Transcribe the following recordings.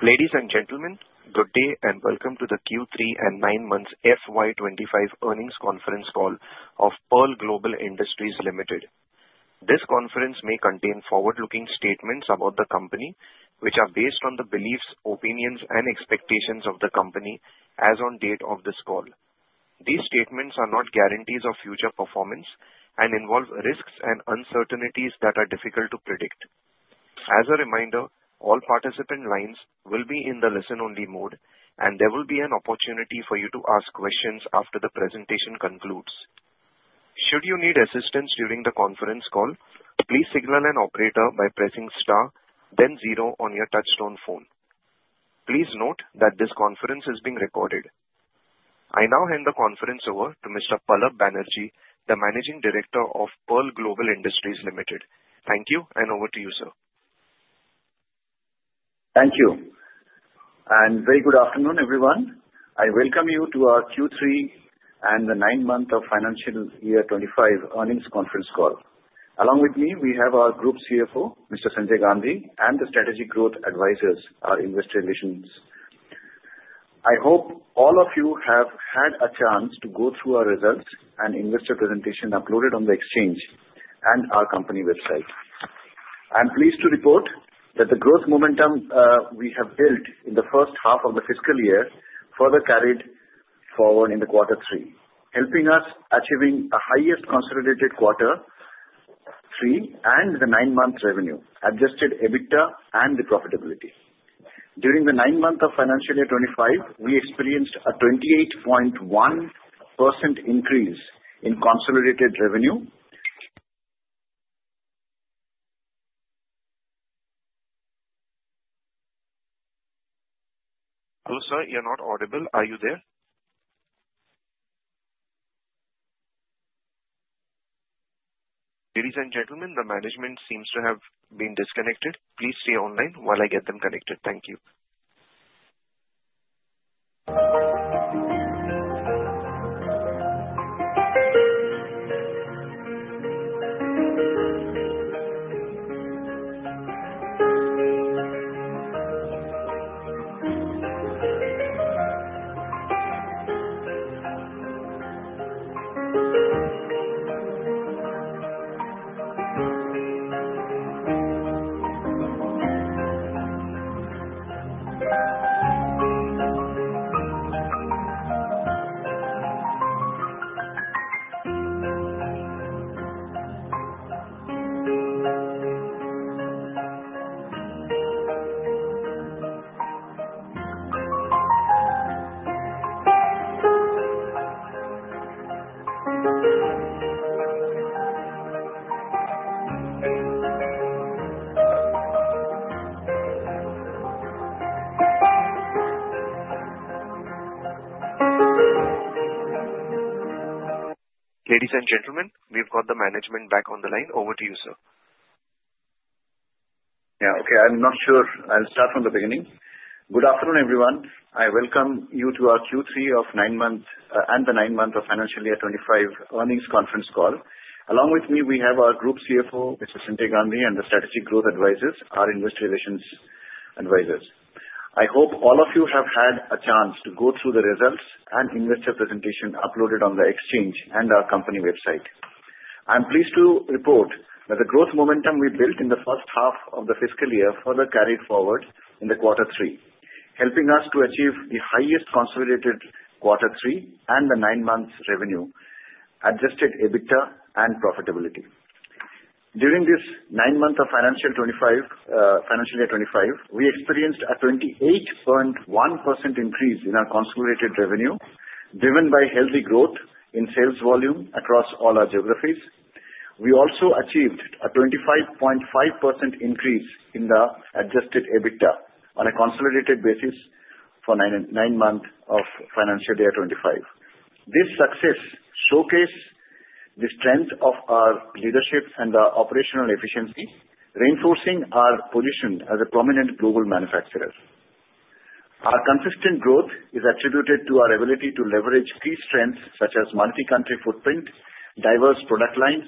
Ladies and gentlemen, good day and welcome to the Q3 and nine months FY 2025 earnings conference call of Pearl Global Industries Limited. This conference may contain forward-looking statements about the company, which are based on the beliefs, opinions, and expectations of the company as on date of this call. These statements are not guarantees of future performance and involve risks and uncertainties that are difficult to predict. As a reminder, all participant lines will be in the listen-only mode, and there will be an opportunity for you to ask questions after the presentation concludes. Should you need assistance during the conference call, please signal an operator by pressing star, then zero on your touch-tone phone. Please note that this conference is being recorded. I now hand the conference over to Mr. Pallab Banerjee, the Managing Director of Pearl Global Industries Limited. Thank you, and over to you, sir. Thank you. And very good afternoon, everyone. I welcome you to our Q3 and the nine months of financial year 2025 earnings conference call. Along with me, we have our Group CFO, Mr. Sanjay Gandhi, and the Strategic Growth Advisors, our investor relations. I hope all of you have had a chance to go through our results and investor presentation uploaded on the exchange and our company website. I'm pleased to report that the growth momentum we have built in the first half of the fiscal year further carried forward in the quarter three, helping us achieve the highest consolidated quarter three and the nine months revenue, adjusted EBITDA, and the profitability. During the nine months of financial year 2025, we experienced a 28.1% increase in consolidated revenue. Hello, sir. You're not audible. Are you there? Ladies and gentlemen, the management seems to have been disconnected. Please stay online while I get them connected. Thank you. Ladies and gentlemen, we've got the management back on the line. Over to you, sir. Good afternoon, everyone. I welcome you to our Q3 of nine months and the nine months of financial year 2025 earnings conference call. Along with me, we have our Group CFO, Mr. Sanjay Gandhi, and the Strategic Growth Advisors, our investor relations advisors. I hope all of you have had a chance to go through the results and investor presentation uploaded on the exchange and our company website. I'm pleased to report that the growth momentum we built in the first half of the fiscal year further carried forward in the quarter three, helping us to achieve the highest consolidated quarter three and the nine months revenue, Adjusted EBITDA and profitability. During this nine months of financial year 2025, we experienced a 28.1% increase in our consolidated revenue, driven by healthy growth in sales volume across all our geographies. We also achieved a 25.5% increase in the Adjusted EBITDA on a consolidated basis for nine months of financial year 2025. This success showcases the strength of our leadership and the operational efficiency, reinforcing our position as a prominent global manufacturer. Our consistent growth is attributed to our ability to leverage key strengths such as multi-country footprint, diverse product lines,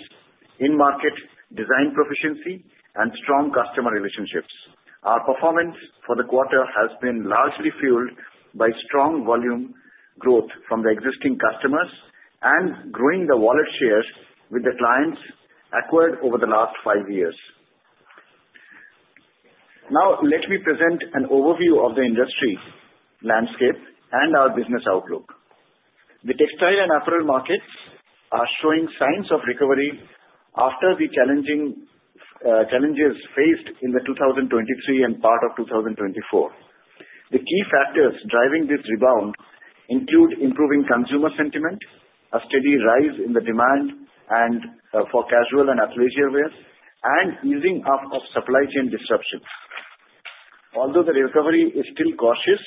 in-market design proficiency, and strong customer relationships. Our performance for the quarter has been largely fueled by strong volume growth from the existing customers and growing the wallet shares with the clients acquired over the last five years. Now, let me present an overview of the industry landscape and our business outlook. The textile and apparel markets are showing signs of recovery after the challenges faced in 2023 and part of 2024. The key factors driving this rebound include improving consumer sentiment, a steady rise in the demand for casual and athleisure wear, and easing of supply chain disruptions. Although the recovery is still cautious,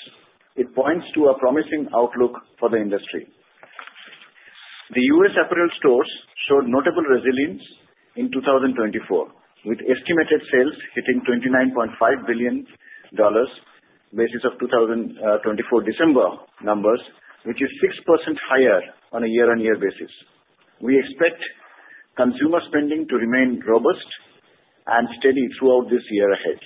it points to a promising outlook for the industry. The U.S. apparel stores showed notable resilience in 2024, with estimated sales hitting $29.5 billion basis of 2024 December numbers, which is 6% higher on a year-on-year basis. We expect consumer spending to remain robust and steady throughout this year ahead.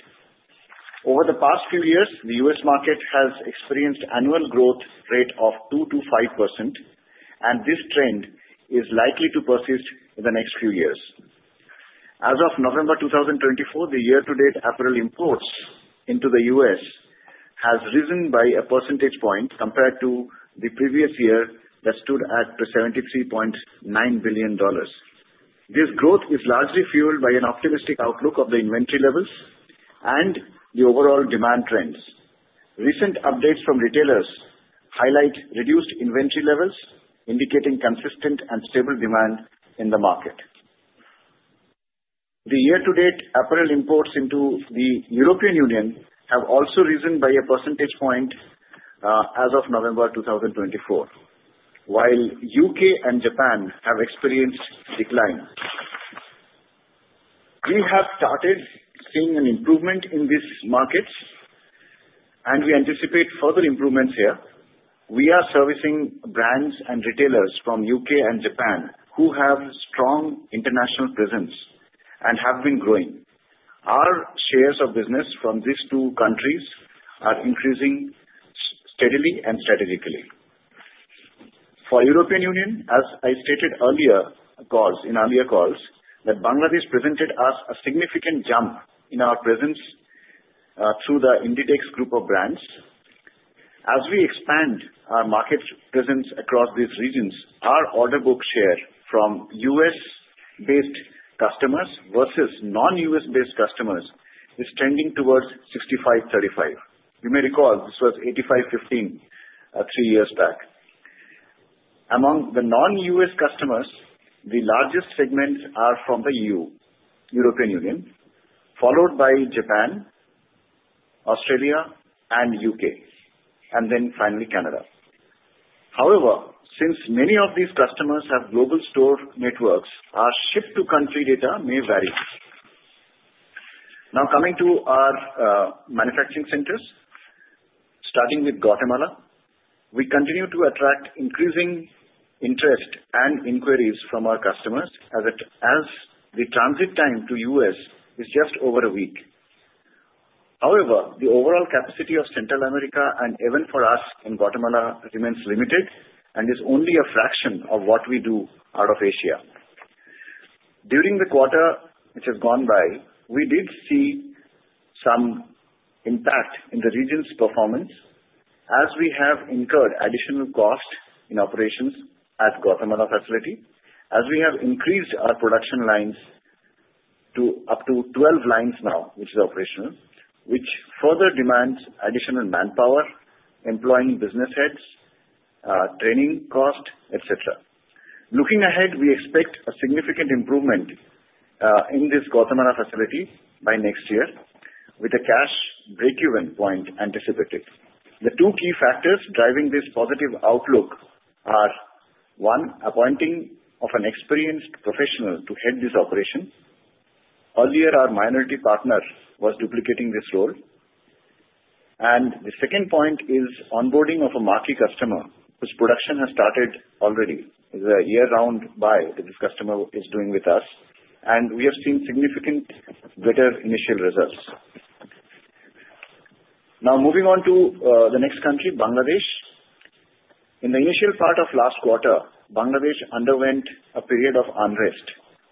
Over the past few years, the U.S. market has experienced an annual growth rate of 2%-5%, and this trend is likely to persist in the next few years. As of November 2024, the year-to-date apparel imports into the U.S. have risen by a percentage point compared to the previous year that stood at $73.9 billion. This growth is largely fueled by an optimistic outlook of the inventory levels and the overall demand trends. Recent updates from retailers highlight reduced inventory levels, indicating consistent and stable demand in the market. The year-to-date apparel imports into the European Union have also risen by a percentage point as of November 2024, while the U.K. and Japan have experienced decline. We have started seeing an improvement in these markets, and we anticipate further improvements here. We are servicing brands and retailers from the U.K. and Japan who have strong international presence and have been growing. Our shares of business from these two countries are increasing steadily and strategically. For the European Union, as I stated earlier in earlier calls, that Bangladesh presented us a significant jump in our presence through the Inditex Group of brands. As we expand our market presence across these regions, our order book share from U.S.-based customers versus non-U.S.-based customers is trending towards 65/35. You may recall this was 85/15 three years back. Among the non-U.S. customers, the largest segments are from the European Union, followed by Japan, Australia, and the U.K., and then finally Canada. However, since many of these customers have global store networks, our ship-to-country data may vary. Now, coming to our manufacturing centers, starting with Guatemala, we continue to attract increasing interest and inquiries from our customers as the transit time to the U.S. is just over a week. However, the overall capacity of Central America and even for us in Guatemala remains limited and is only a fraction of what we do out of Asia. During the quarter which has gone by, we did see some impact in the region's performance as we have incurred additional costs in operations at the Guatemala facility, as we have increased our production lines to up to 12 lines now, which is operational, which further demands additional manpower, employing business heads, training costs, etc. Looking ahead, we expect a significant improvement in this Guatemala facility by next year with a cash break-even point anticipated. The two key factors driving this positive outlook are, one, appointing of an experienced professional to head this operation. Earlier, our minority partner was duplicating this role. And the second point is onboarding of a marquee customer whose production has started already. It's a year-round buy that this customer is doing with us, and we have seen significant better initial results. Now, moving on to the next country, Bangladesh. In the initial part of last quarter, Bangladesh underwent a period of unrest,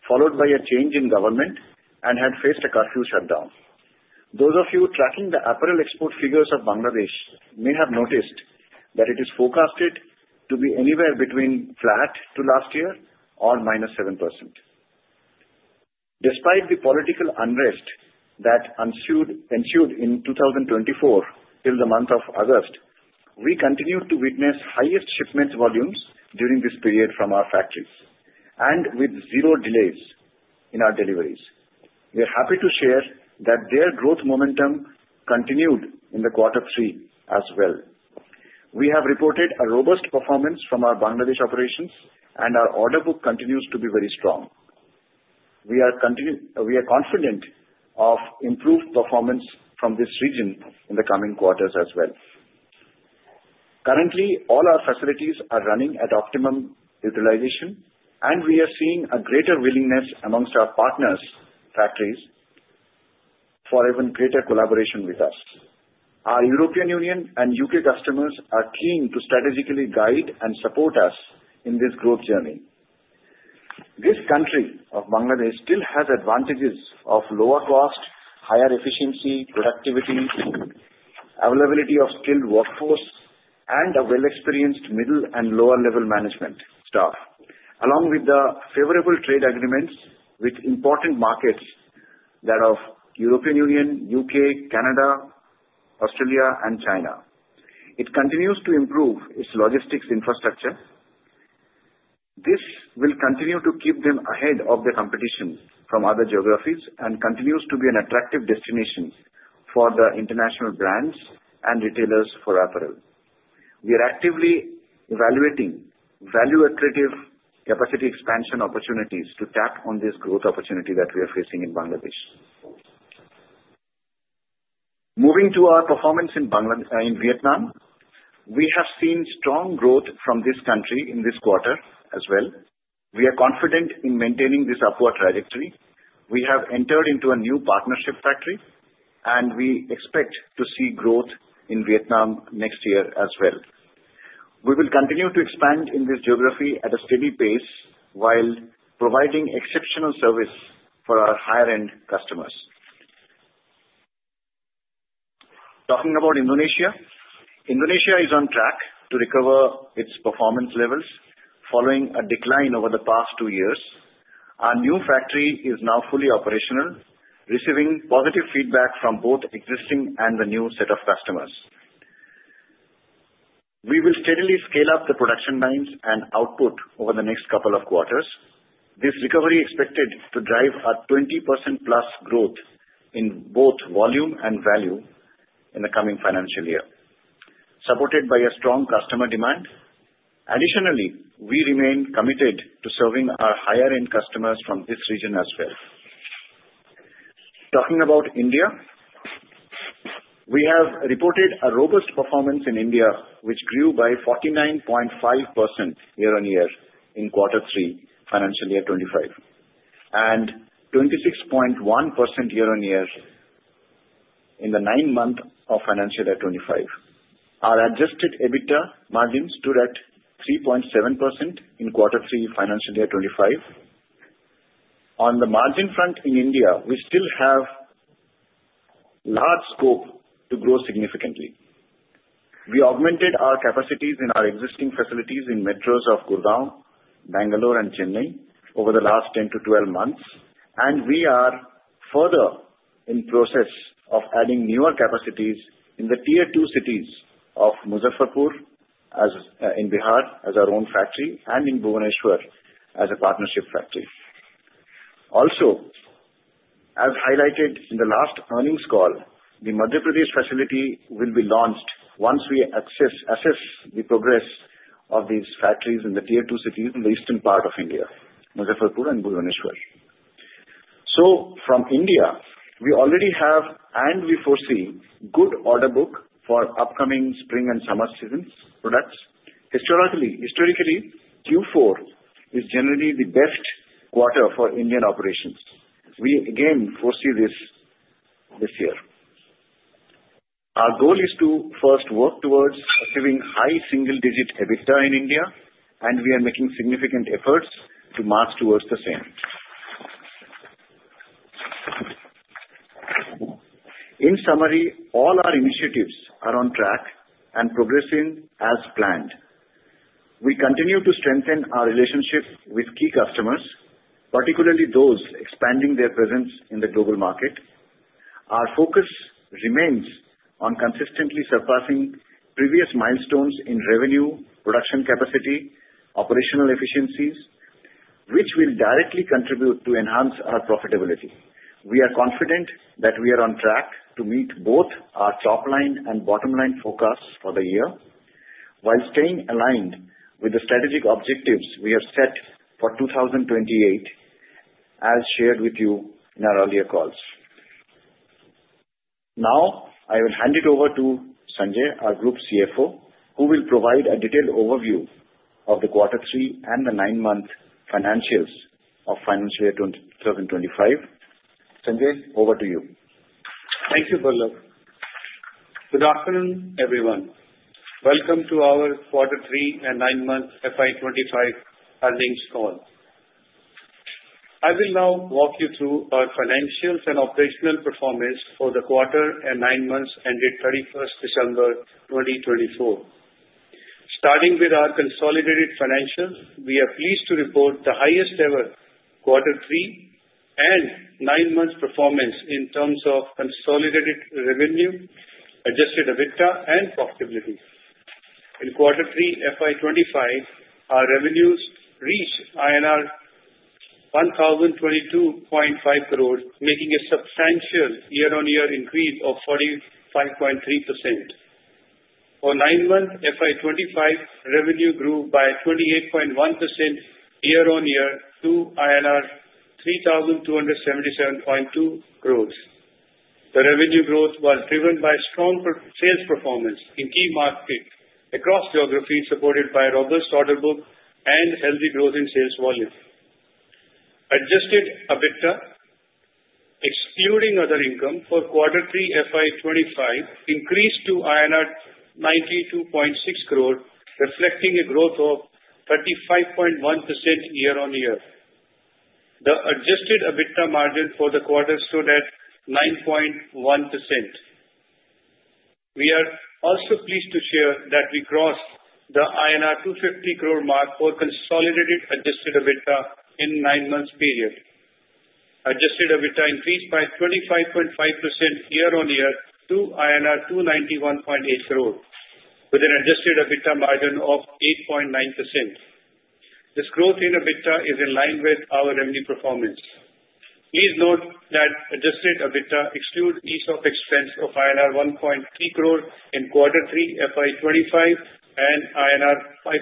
followed by a change in government and had faced a curfew shutdown. Those of you tracking the apparel export figures of Bangladesh may have noticed that it is forecasted to be anywhere between flat to last year or -7%. Despite the political unrest that ensued in 2024 till the month of August, we continued to witness highest shipment volumes during this period from our factories and with zero delays in our deliveries. We are happy to share that their growth momentum continued in the quarter three as well. We have reported a robust performance from our Bangladesh operations, and our order book continues to be very strong. We are confident of improved performance from this region in the coming quarters as well. Currently, all our facilities are running at optimum utilization, and we are seeing a greater willingness amongst our partner factories for even greater collaboration with us. Our European Union and U.K. customers are keen to strategically guide and support us in this growth journey. This country of Bangladesh still has advantages of lower cost, higher efficiency, productivity, availability of skilled workforce, and a well-experienced middle and lower-level management staff, along with the favorable trade agreements with important markets that are the European Union, U.K., Canada, Australia, and China. It continues to improve its logistics infrastructure. This will continue to keep them ahead of the competition from other geographies and continues to be an attractive destination for the international brands and retailers for apparel. We are actively evaluating value-attractive capacity expansion opportunities to tap on this growth opportunity that we are facing in Bangladesh. Moving to our performance in Vietnam, we have seen strong growth from this country in this quarter as well. We are confident in maintaining this upward trajectory. We have entered into a new partnership factory, and we expect to see growth in Vietnam next year as well. We will continue to expand in this geography at a steady pace while providing exceptional service for our higher-end customers. Talking about Indonesia, Indonesia is on track to recover its performance levels following a decline over the past two years. Our new factory is now fully operational, receiving positive feedback from both existing and the new set of customers. We will steadily scale up the production lines and output over the next couple of quarters. This recovery is expected to drive a 20%+ growth in both volume and value in the coming financial year, supported by strong customer demand. Additionally, we remain committed to serving our higher-end customers from this region as well. Talking about India, we have reported a robust performance in India, which grew by 49.5% year-on-year in quarter three, financial year 2025, and 26.1% year-on-year in the nine months of financial year 2025. Our Adjusted EBITDA margins stood at 3.7% in quarter three, financial year 2025. On the margin front in India, we still have large scope to grow significantly. We augmented our capacities in our existing facilities in metros of Gurgaon, Bangalore, and Chennai over the last 10-12 months, and we are further in the process of adding newer capacities in the tier-two cities of Muzaffarpur in Bihar as our own factory and in Bhubaneswar as a partnership factory. Also, as highlighted in the last earnings call, the Madhya Pradesh facility will be launched once we assess the progress of these factories in the tier-two cities in the eastern part of India, Muzaffarpur and Bhubaneswar. So, from India, we already have and we foresee good order book for upcoming spring and summer season products. Historically, Q4 is generally the best quarter for Indian operations. We again foresee this year. Our goal is to first work towards achieving high single-digit EBITDA in India, and we are making significant efforts to march towards the same. In summary, all our initiatives are on track and progressing as planned. We continue to strengthen our relationship with key customers, particularly those expanding their presence in the global market. Our focus remains on consistently surpassing previous milestones in revenue, production capacity, and operational efficiencies, which will directly contribute to enhancing our profitability. We are confident that we are on track to meet both our top-line and bottom-line forecasts for the year while staying aligned with the strategic objectives we have set for 2028, as shared with you in our earlier calls. Now, I will hand it over to Sanjay, our Group CFO, who will provide a detailed overview of the quarter three and the nine months financials of financial year 2025. Sanjay, over to you. Thank you, Pallab. Good afternoon, everyone. Welcome to our quarter three and nine months FY 2025 earnings call. I will now walk you through our financials and operational performance for the quarter and nine months ended 31st December 2024. Starting with our consolidated financials, we are pleased to report the highest-ever quarter three and nine months performance in terms of consolidated revenue, Adjusted EBITDA, and profitability. In quarter three, FY 2025, our revenues reached INR 1,022.5 crore, making a substantial year-on-year increase of 45.3%. For nine months, FY 2025 revenue grew by 28.1% year-on-year to INR 3,277.2 crore. The revenue growth was driven by strong sales performance in key markets across geographies supported by robust order book and healthy growth in sales volume. Adjusted EBITDA, excluding other income, for quarter three, FY 2025 increased to INR 92.6 crore, reflecting a growth of 35.1% year-on-year. The Adjusted EBITDA margin for the quarter stood at 9.1%. We are also pleased to share that we crossed the INR 250 crore mark for consolidated Adjusted EBITDA in the nine months period. Adjusted EBITDA increased by 25.5% year-on-year to INR 291.8 crore, with an Adjusted EBITDA margin of 8.9%. This growth in EBITDA is in line with our revenue performance. Please note that Adjusted EBITDA excludes lease expenses of INR 1.3 crore in quarter three, FY 2025, and INR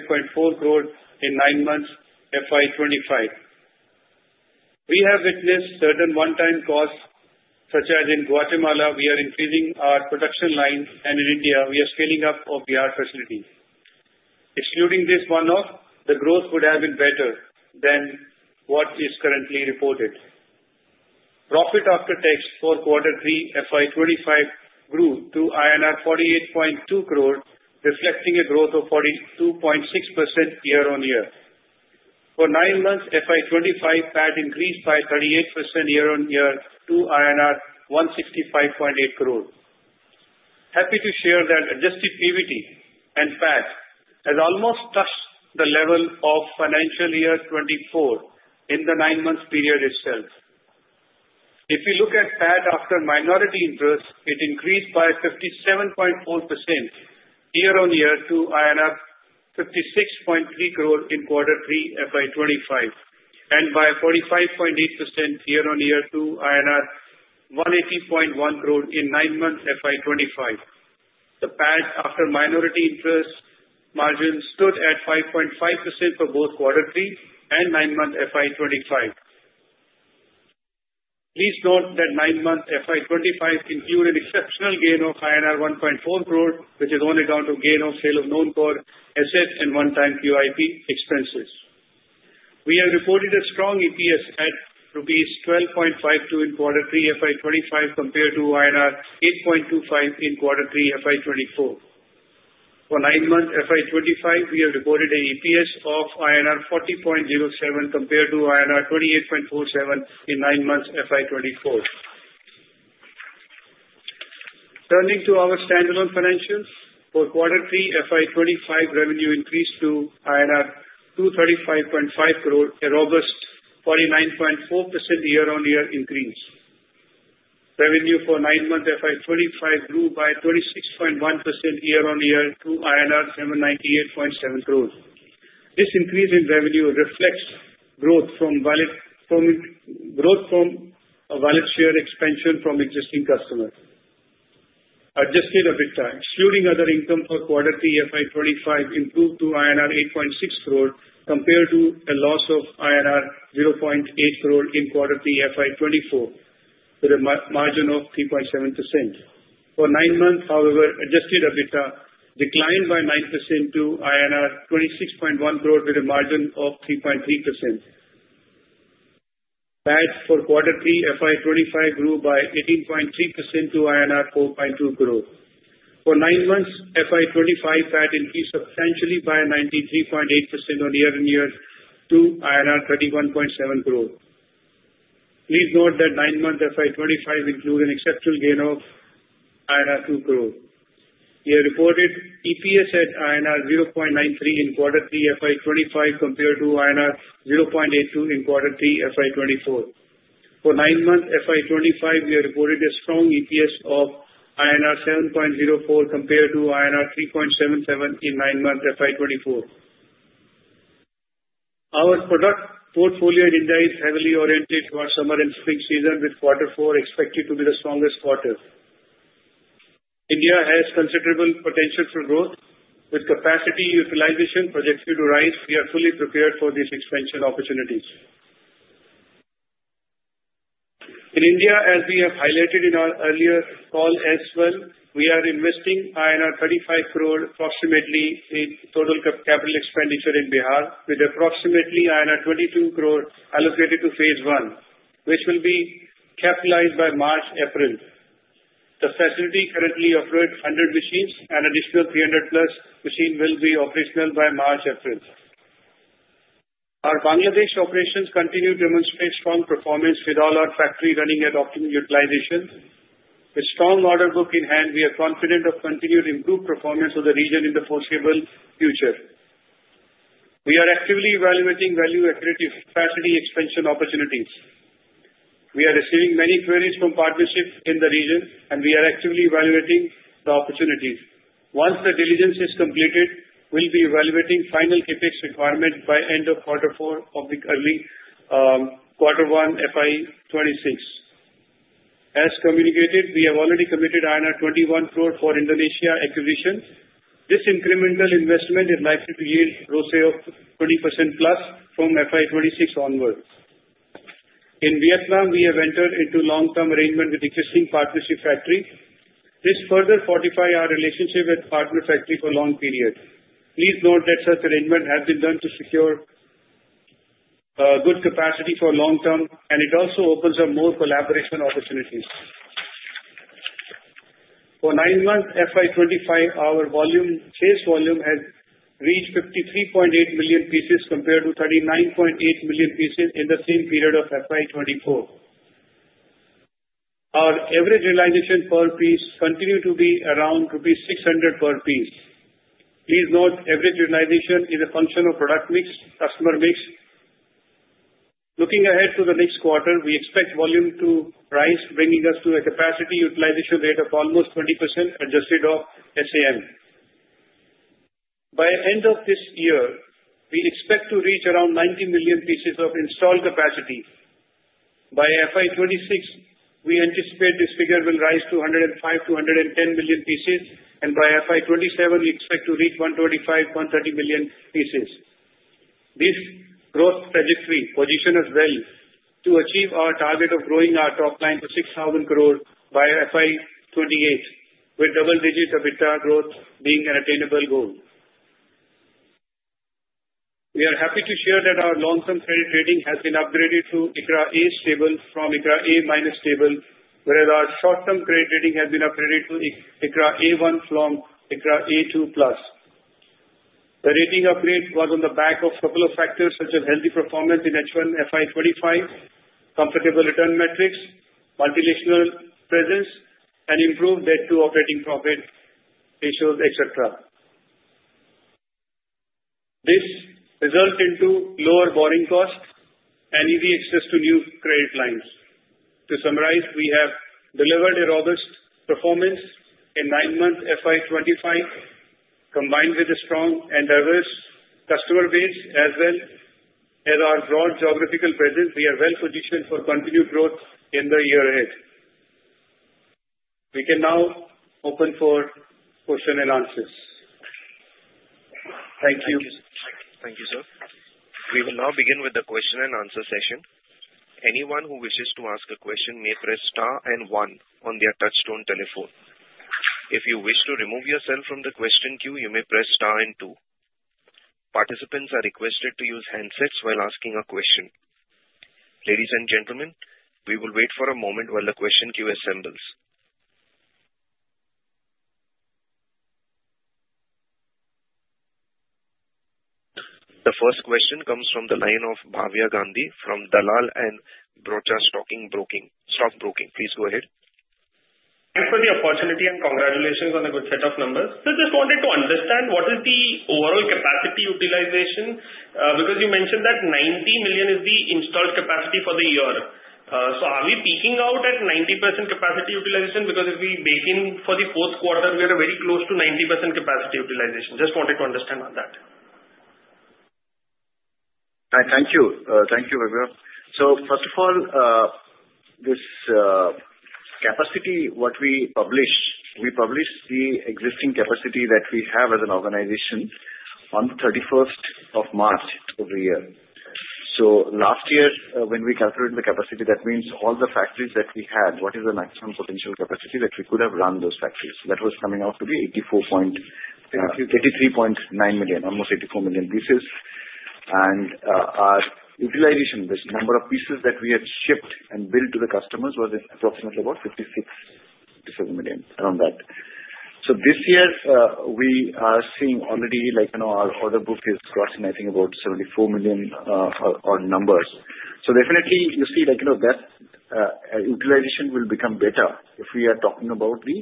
5.4 crore in nine months, FY 2025. We have witnessed certain one-time costs, such as in Guatemala, we are increasing our production lines, and in India, we are scaling up our facilities. Excluding this one-off, the growth would have been better than what is currently reported. Profit after tax for quarter three, FY 2025, grew to INR 48.2 crore, reflecting a growth of 42.6% year-on-year. For nine months, FY 2025 had increased by 38% year-on-year to INR 165.8 crore. Happy to share that Adjusted PBT and PAT has almost touched the level of financial year 2024 in the nine months period itself. If you look at PAT after minority interest, it increased by 57.4% year-on-year to INR 56.3 crore in quarter three, FY 2025, and by 45.8% year-on-year to INR 180.1 crore in nine months, FY 2025. The PAT after minority interest margin stood at 5.5% for both quarter three and nine months FY 2025. Please note that nine months FY 2025 included exceptional gain of INR 1.4 crore, which is only down to gain of sale of non-core assets and one-time QIP expenses. We have reported a strong EPS at rupees 12.52 in quarter three, FY 2025, compared to INR 8.25 in quarter three, FY 2024. For nine months, FY 2025, we have reported an EPS of INR 40.07 compared to INR 28.47 in nine months, FY 2024. Turning to our standalone financials, for quarter three, FY 2025 revenue increased to INR 235.5 crore, a robust 49.4% year-on-year increase. Revenue for nine months FY 2025 grew by 26.1% year-on-year to INR 798.7 crore. This increase in revenue reflects growth from value share expansion from existing customers. Adjusted EBITDA, excluding other income for quarter three, FY 2025, improved to INR 8.6 crore compared to a loss of INR 0.8 crore in quarter three, FY 2024, with a margin of 3.7%. For nine months, however, Adjusted EBITDA declined by 9% to INR 26.1 crore, with a margin of 3.3%. PAT for quarter three, FY 2025 grew by 18.3% to INR 4.2 crore. For nine months, FY 2025 PAT increased substantially by 93.8% year-on-year to 31.7 crore. Please note that nine months FY 2025 included an exceptional gain of INR 2 crore. We have reported EPS at INR 0.93 in quarter three, FY 2025, compared to INR 0.82 in quarter three, FY 2024. For nine months FY 2025, we have reported a strong EPS of INR 7.04 compared to INR 3.77 in nine months FY 2024. Our product portfolio and industry is heavily oriented towards summer and spring season, with quarter four expected to be the strongest quarter. India has considerable potential for growth, with capacity utilization projected to rise. We are fully prepared for these expansion opportunities. In India, as we have highlighted in our earlier call as well, we are investing 35 crore approximately in total capital expenditure in Bihar, with approximately 22 crore allocated to phase I, which will be capitalized by March-April. The facility currently operates 100 machines, and an additional 300+ machines will be operational by March-April. Our Bangladesh operations continue to demonstrate strong performance, with all our factories running at optimal utilization. With strong order book in hand, we are confident of continued improved performance of the region in the foreseeable future. We are actively evaluating value-attractive capacity expansion opportunities. We are receiving many queries from partnerships in the region, and we are actively evaluating the opportunities. Once the diligence is completed, we will be evaluating final CapEx requirements by the end of quarter four of the early quarter one FY 2026. As communicated, we have already committed INR 21 crore for Indonesia acquisition. This incremental investment is likely to yield a gross share of 20%+ from FY 2026 onwards. In Vietnam, we have entered into long-term arrangements with existing partnership factories. This further fortifies our relationship with partner factories for a long period. Please note that such arrangements have been done to secure good capacity for long-term, and it also opens up more collaboration opportunities. For nine months FY 2025, our sales volume has reached 53.8 million pieces compared to 39.8 million pieces in the same period of FY 2024. Our average realization per piece continues to be around rupees 600 per piece. Please note average utilization is a function of product mix, customer mix. Looking ahead to the next quarter, we expect volume to rise, bringing us to a capacity utilization rate of almost 20% adjusted of SAM. By the end of this year, we expect to reach around 90 million pieces of installed capacity. By FY 2026, we anticipate this figure will rise to 105 million-110 million pieces, and by FY 2027, we expect to reach 125 million-130 million pieces. This growth trajectory positions us well to achieve our target of growing our top line to 6,000 crore by FY 2028, with double-digit EBITDA growth being an attainable goal. We are happy to share that our long-term credit rating has been upgraded to ICRA A stable from ICRA A- stable, whereas our short-term credit rating has been upgraded to ICRA A1 strong from ICRA A2+. The rating upgrade was on the back of a couple of factors, such as healthy performance in H1 FY 2025, comparable return metrics, multinational presence, and improved net-to-operating profit ratios, etc. This resulted in lower borrowing costs and easy access to new credit lines. To summarize, we have delivered a robust performance in nine months FY 2025, combined with a strong and diverse customer base as well as our broad geographical presence. We are well positioned for continued growth in the year ahead. We can now open for questions and answers. Thank you. Thank you, sir. We will now begin with the question and answer session. Anyone who wishes to ask a question may press star and one on their touch-tone telephone. If you wish to remove yourself from the question queue, you may press star and two. Participants are requested to use handsets while asking a question. Ladies and gentlemen, we will wait for a moment while the question queue assembles. The first question comes from the line of Bhavya Gandhi from Dalal & Broacha Stock Broking. Please go ahead. Thanks for the opportunity and congratulations on a good set of numbers. I just wanted to understand what is the overall capacity utilization because you mentioned that 90 million is the installed capacity for the year. So are we peaking out at 90% capacity utilization? Because if we bake in for the fourth quarter, we are very close to 90% capacity utilization. Just wanted to understand on that. Thank you. Thank you, Bhavya. So first of all, this capacity what we publish, we publish the existing capacity that we have as an organization on the 31st of March of the year. Last year, when we calculated the capacity, that means all the factories that we had, what is the maximum potential capacity that we could have run those factories? That was coming out to be 83.9 million, almost 84 million pieces. And our utilization, this number of pieces that we had shipped and billed to the customers was approximately about 56 million-57 million, around that. This year, we are seeing already our order book is crossing, I think, about 74 million or numbers. So definitely, you see that utilization will become better if we are talking about the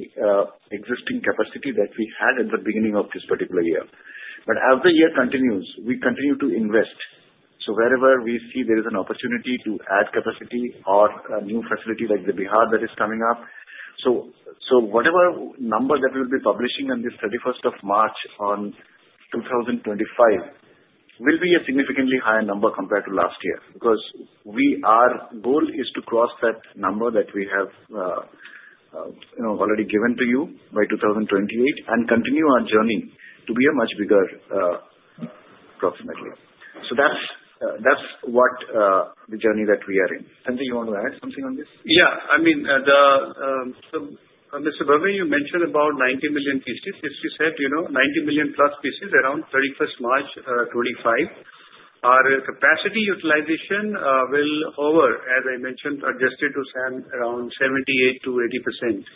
existing capacity that we had at the beginning of this particular year. But as the year continues, we continue to invest. So wherever we see there is an opportunity to add capacity or a new facility like the Bihar that is coming up. So whatever number that we will be publishing as of 31st of March 2025 will be a significantly higher number compared to last year because our goal is to cross that number that we have already given to you by 2028 and continue our journey to be a much bigger approximately. So that's what the journey that we are in. Sanjay, you want to add something on this? Yeah. I mean, Mr. Bhavya, you mentioned about 90 million pieces. As you said, 90 million+ pieces around 31st March 2025. Our capacity utilization will hover, as I mentioned, adjusted to SAM around 78%-80%.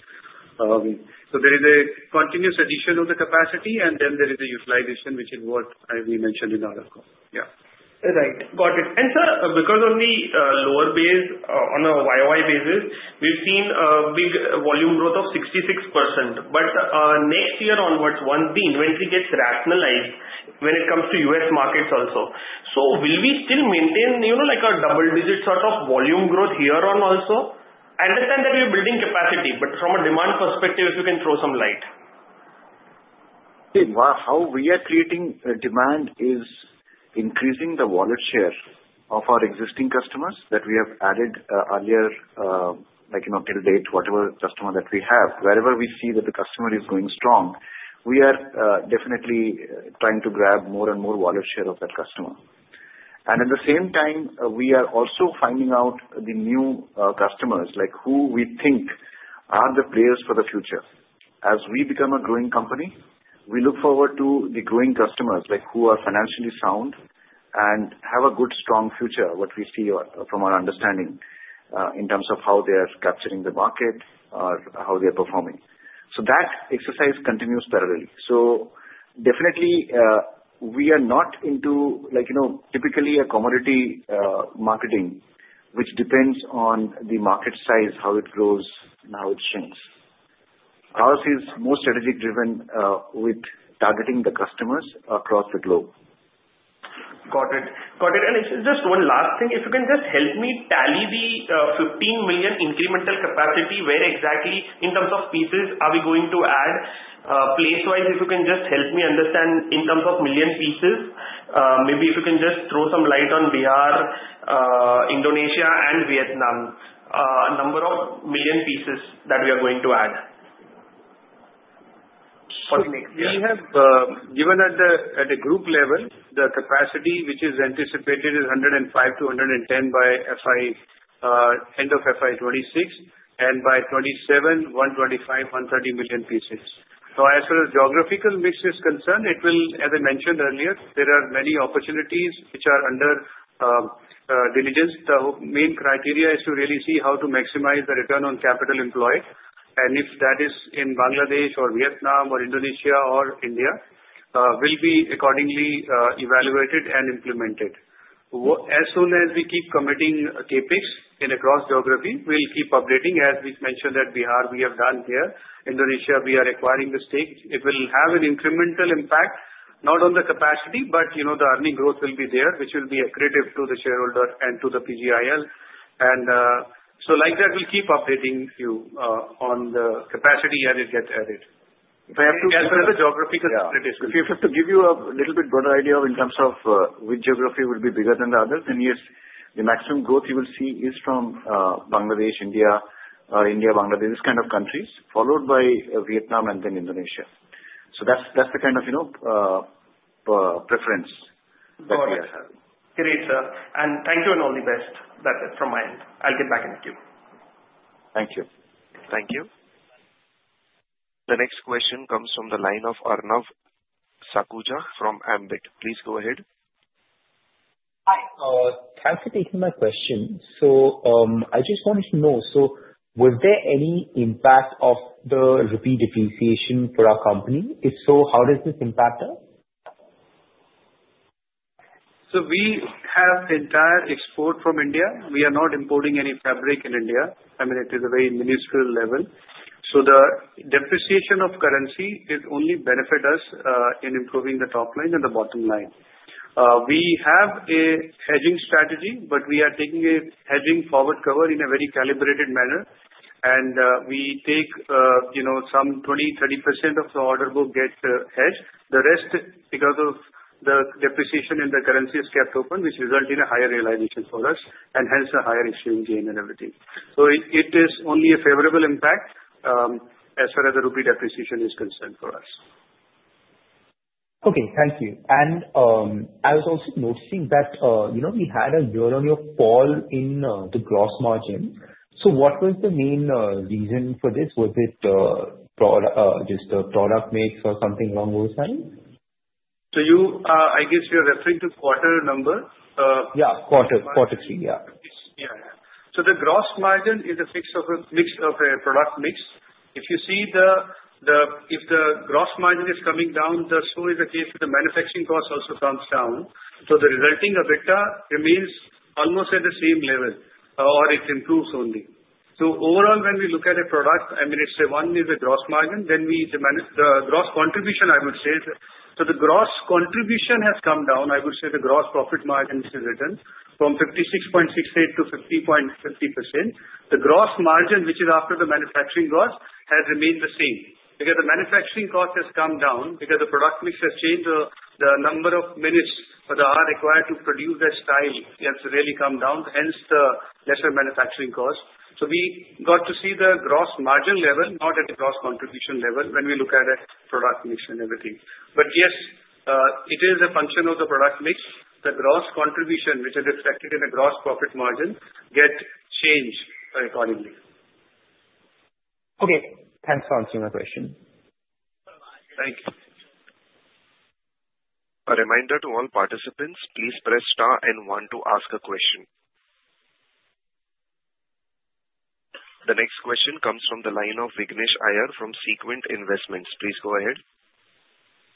So there is a continuous addition of the capacity, and then there is a utilization, which is what we mentioned in our call. Yeah. Right. Got it. Sir, because of the lower base on a YoY basis, we've seen a big volume growth of 66%. But next year onwards, once the inventory gets rationalized when it comes to U.S. markets also, so will we still maintain a double-digit sort of volume growth here on also? I understand that we are building capacity, but from a demand perspective, if you can throw some light. How we are creating demand is increasing the wallet share of our existing customers that we have added earlier, till date, whatever customer that we have. Wherever we see that the customer is going strong, we are definitely trying to grab more and more wallet share of that customer. At the same time, we are also finding out the new customers, who we think are the players for the future. As we become a growing company, we look forward to the growing customers who are financially sound and have a good strong future. What we see from our understanding in terms of how they are capturing the market or how they are performing. So that exercise continues parallelly. So definitely, we are not into typically a commodity marketing, which depends on the market size, how it grows, and how it shrinks. Ours is more strategy-driven with targeting the customers across the globe. Got it. Got it. And just one last thing. If you can just help me tally the 15 million incremental capacity, where exactly in terms of pieces are we going to add place-wise? If you can just help me understand in terms of million pieces, maybe if you can just throw some light on Bihar, Indonesia, and Vietnam, number of million pieces that we are going to add. We have, given at a group level, the capacity which is anticipated is 105 million-110 million by end of FY 2026 and by 2027, 125 million-130 million pieces. So as far as geographical mix is concerned, it will, as I mentioned earlier, there are many opportunities which are under diligence. The main criteria is to really see how to maximize the Return on Capital Employed. If that is in Bangladesh or Vietnam or Indonesia or India, will be accordingly evaluated and implemented. As soon as we keep committing CapEx in across geography, we'll keep updating. As we mentioned that Bihar, we have done here. Indonesia, we are acquiring the stake. It will have an incremental impact, not on the capacity, but the earning growth will be there, which will be accretive to the shareholder and to the PGIL. And so like that, we'll keep updating you on the capacity as it gets added. If I have to gather the geographical statistics, if I have to give you a little bit broader idea in terms of which geography will be bigger than the others, then yes, the maximum growth you will see is from Bangladesh, India, or India, Bangladesh, these kind of countries, followed by Vietnam and then Indonesia. So that's the kind of preference that we have. Got it. Great, sir. And thank you and all the best. That's it from my end. I'll get back in with you. Thank you. Thank you. The next question comes from the line of Arnav Sakhuja from Ambit. Please go ahead. Hi. Thanks for taking my question. So I just wanted to know, so was there any impact of the rupee depreciation for our company? If so, how does this impact us? So we have entire export from India. We are not importing any fabric in India. I mean, it is a very minuscule level. So the depreciation of currency will only benefit us in improving the top line and the bottom line. We have a hedging strategy, but we are taking a hedging forward cover in a very calibrated manner. And we take some 20%-30% of the order book gets hedged. The rest, because of the depreciation in the currency, is kept open, which results in a higher realization for us and hence a higher exchange gain and everything. So it is only a favorable impact as far as the rupee depreciation is concerned for us. Okay. Thank you. And I was also noticing that we had a year-on-year fall in the gross margin. So what was the main reason for this? Was it just the product mix or something along those lines? So I guess you're referring to quarter number? Yeah. Quarter. Quarter three. Yeah. Yeah. So the gross margin is a mix of a product mix. If you see the gross margin is coming down, so is the case that the manufacturing cost also comes down. So the resulting EBITDA remains almost at the same level or it improves only. So overall, when we look at a product, I mean, it's one is the gross margin, then the gross contribution, I would say. So the gross contribution has come down. I would say the gross profit margin has risen from 56.68% to 50.50%. The gross margin, which is after the manufacturing cost, has remained the same because the manufacturing cost has come down because the product mix has changed. The number of minutes that are required to produce that style has really come down. Hence, the lesser manufacturing cost. So we got to see the gross margin level, not at the gross contribution level when we look at the product mix and everything. But yes, it is a function of the product mix. The gross contribution, which is reflected in the gross profit margin, gets changed accordingly. Okay. Thanks for answering my question. Thank you. A reminder to all participants, please press star and one to ask a question. The next question comes from the line of Vignesh Iyer from Sequent Investments. Please go ahead.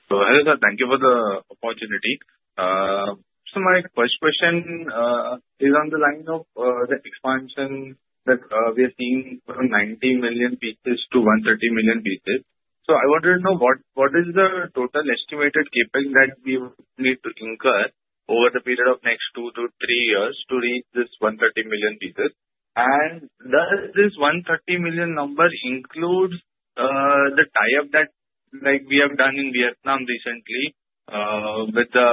So hello, sir. Thank you for the opportunity. So my first question is on the line of the expansion that we have seen from 90 million pieces to 130 million pieces. So I wanted to know what is the total estimated CapEx that we need to incur over the period of next two to three years to reach this 130 million pieces? And does this 130 million number include the tie-up that we have done in Vietnam recently with the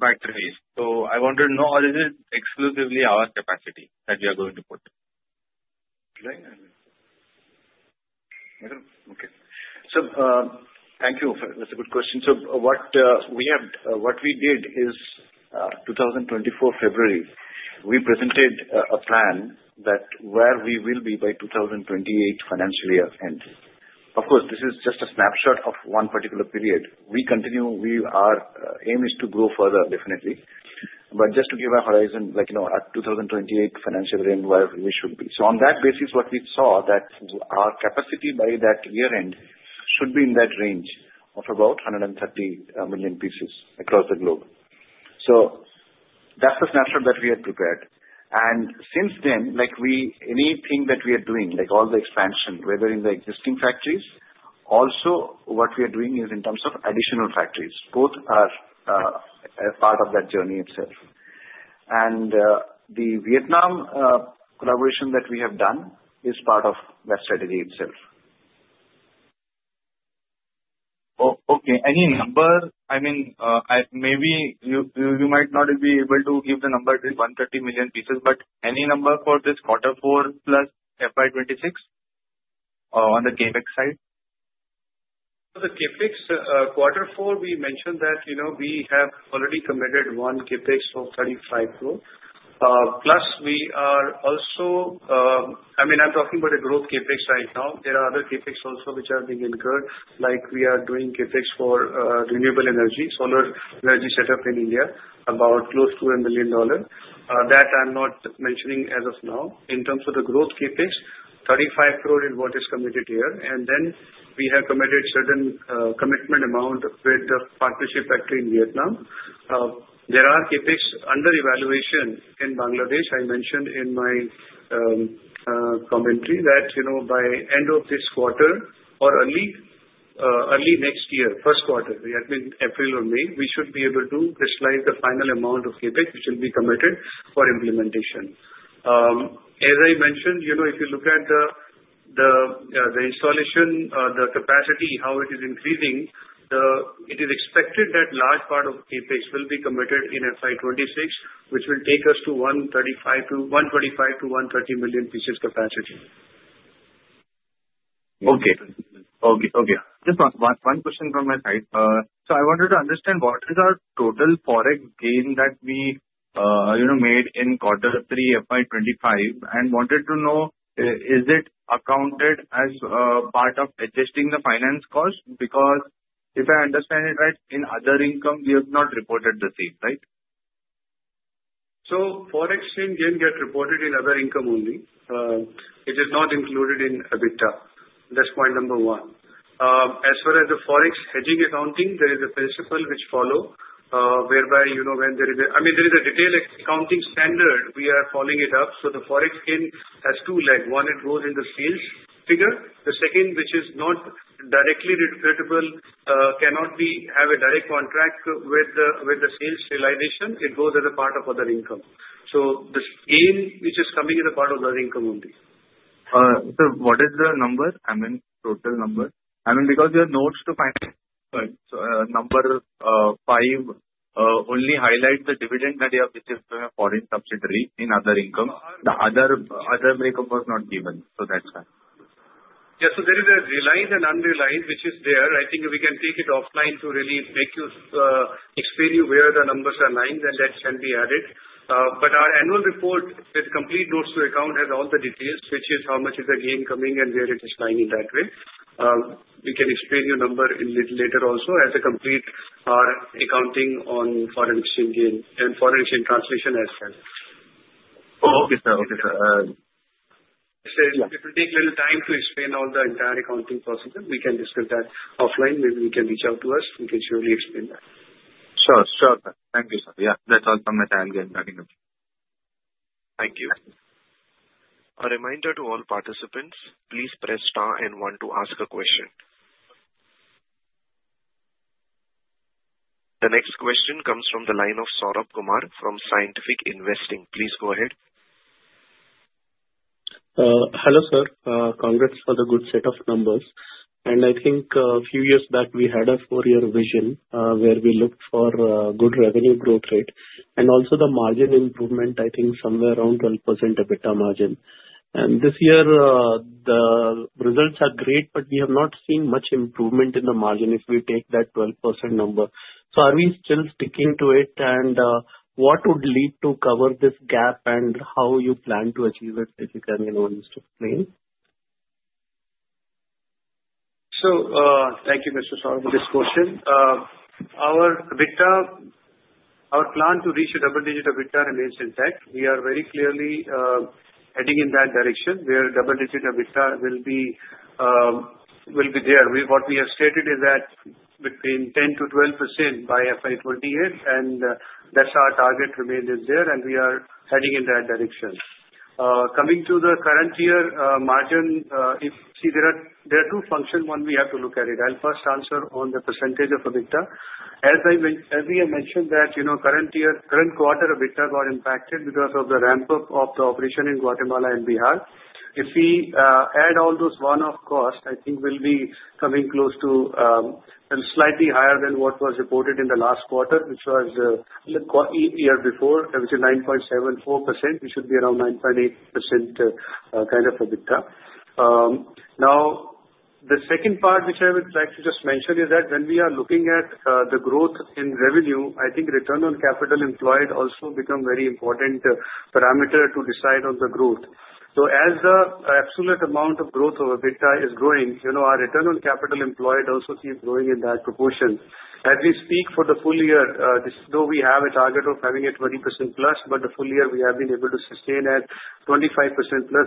partners? So I wanted to know, or is it exclusively our capacity that we are going to put? Okay. So thank you. That's a good question. So what we did is 2024 February, we presented a plan that where we will be by 2028 financial year end. Of course, this is just a snapshot of one particular period. We continue. Our aim is to grow further, definitely. But just to give a horizon, at 2028 financial year end, where we should be. On that basis, what we saw that our capacity by that year-end should be in that range of about 130 million pieces across the globe. That's the snapshot that we had prepared. And since then, anything that we are doing, all the expansion, whether in the existing factories, also what we are doing is in terms of additional factories. Both are part of that journey itself. And the Vietnam collaboration that we have done is part of that strategy itself. Okay. Any number? I mean, maybe you might not be able to give the number to 130 million pieces, but any number for this quarter four plus FY 2026 on the CapEx side? For the CapEx, quarter four, we mentioned that we have already committed one CapEx of 35 crore. Plus, we are also I mean, I'm talking about the growth CapEx right now. There are other CapEx also which are being incurred. We are doing CapEx for renewable energy, solar energy setup in India, about close to $1 million. That I'm not mentioning as of now. In terms of the growth CapEx, 35 crore is what is committed here. And then we have committed certain commitment amount with the partnership factory in Vietnam. There are CapEx under evaluation in Bangladesh. I mentioned in my commentary that by end of this quarter or early next year, first quarter, that means April or May, we should be able to crystallize the final amount of CapEx which will be committed for implementation. As I mentioned, if you look at the installation, the capacity, how it is increasing, it is expected that large part of CapEx will be committed in FY 2026, which will take us to 125 million-130 million pieces capacity. Okay. Okay. Okay. Just one question from my side. So I wanted to understand what is our total forex gain that we made in quarter three FY 2025 and wanted to know, is it accounted as part of adjusting the finance cost? Because if I understand it right, in other income, we have not reported the same, right? So forex gain gets reported in other income only. It is not included in EBITDA. That's point number one. As far as the forex hedging accounting, there is a principle which follows, whereby when there is a I mean, there is a detailed accounting standard. We are following it up. So the forex gain has two legs. One, it goes in the sales figure. The second, which is not directly reportable, cannot have a direct connect with the sales realization. It goes as a part of other income. So the gain which is coming is a part of other income only. So what is the number? I mean, total number. I mean, because your notes to financial number five only highlight the dividend that you have received from a foreign subsidiary in other income. The other breakup was not given. So that's why. Yeah. So there is a realized and unrealized, which is there. I think we can take it offline to really explain to you where the numbers are lying, then that can be added. But our annual report with complete notes to account has all the details, which is how much is the gain coming and where it is lying in that way. We can explain the number a little later also as a complete accounting on foreign exchange gain and foreign exchange translation as well. Okay, sir. Okay, sir. It will take a little time to explain all the entire accounting process. We can discuss that offline. Maybe you can reach out to us. We can surely explain that. Sure. Sure. Thank you, sir. Yeah. That's all from my side. I'll get back in touch. Thank you. A reminder to all participants, please press star and one to ask a question. The next question comes from the line of Saurabh Kumar from Scientific Investing. Please go ahead. Hello, sir. Congrats for the good set of numbers, and I think a few years back, we had a four-year vision where we looked for good revenue growth rate and also the margin improvement, I think, somewhere around 12% EBITDA margin. And this year, the results are great, but we have not seen much improvement in the margin if we take that 12% number, so are we still sticking to it? And what would lead to cover this gap and how you plan to achieve it, if you can just explain? So thank you, Mr. Saurabh, for this question. Our plan to reach a double-digit EBITDA remains intact. We are very clearly heading in that direction where double-digit EBITDA will be there. What we have stated is that between 10% to 12% by FY 2028, and that's our target remaining there, and we are heading in that direction. Coming to the current year margin, see, there are two functions. One, we have to look at it. I'll first answer on the percentage of EBITDA. As we have mentioned that current quarter EBITDA got impacted because of the ramp-up of the operation in Guatemala and Bihar. If we add all those one-off costs, I think we'll be coming close to slightly higher than what was reported in the last quarter, which was the year before, which is 9.74%. We should be around 9.8% kind of EBITDA. Now, the second part which I would like to just mention is that when we are looking at the growth in revenue, I think Return on Capital Employed also becomes a very important parameter to decide on the growth, so as the absolute amount of growth of EBITDA is growing, our Return on Capital Employed also keeps growing in that proportion. As we speak for the full year, though we have a target of having a 20%+, but the full year we have been able to sustain at 25%+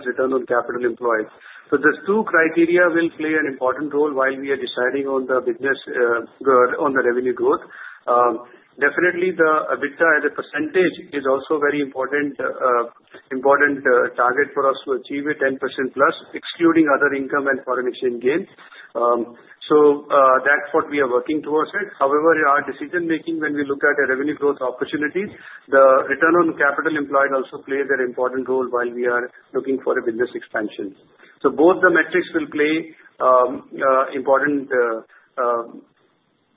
Return on Capital Employed. So these two criteria will play an important role while we are deciding on the revenue growth. Definitely, the EBITDA as a percentage is also a very important target for us to achieve it, 10%+, excluding other income and foreign exchange gain. So that's what we are working towards it. However, in our decision-making, when we look at the revenue growth opportunities, the Return on Capital Employed also plays an important role while we are looking for a business expansion. So both the metrics will play an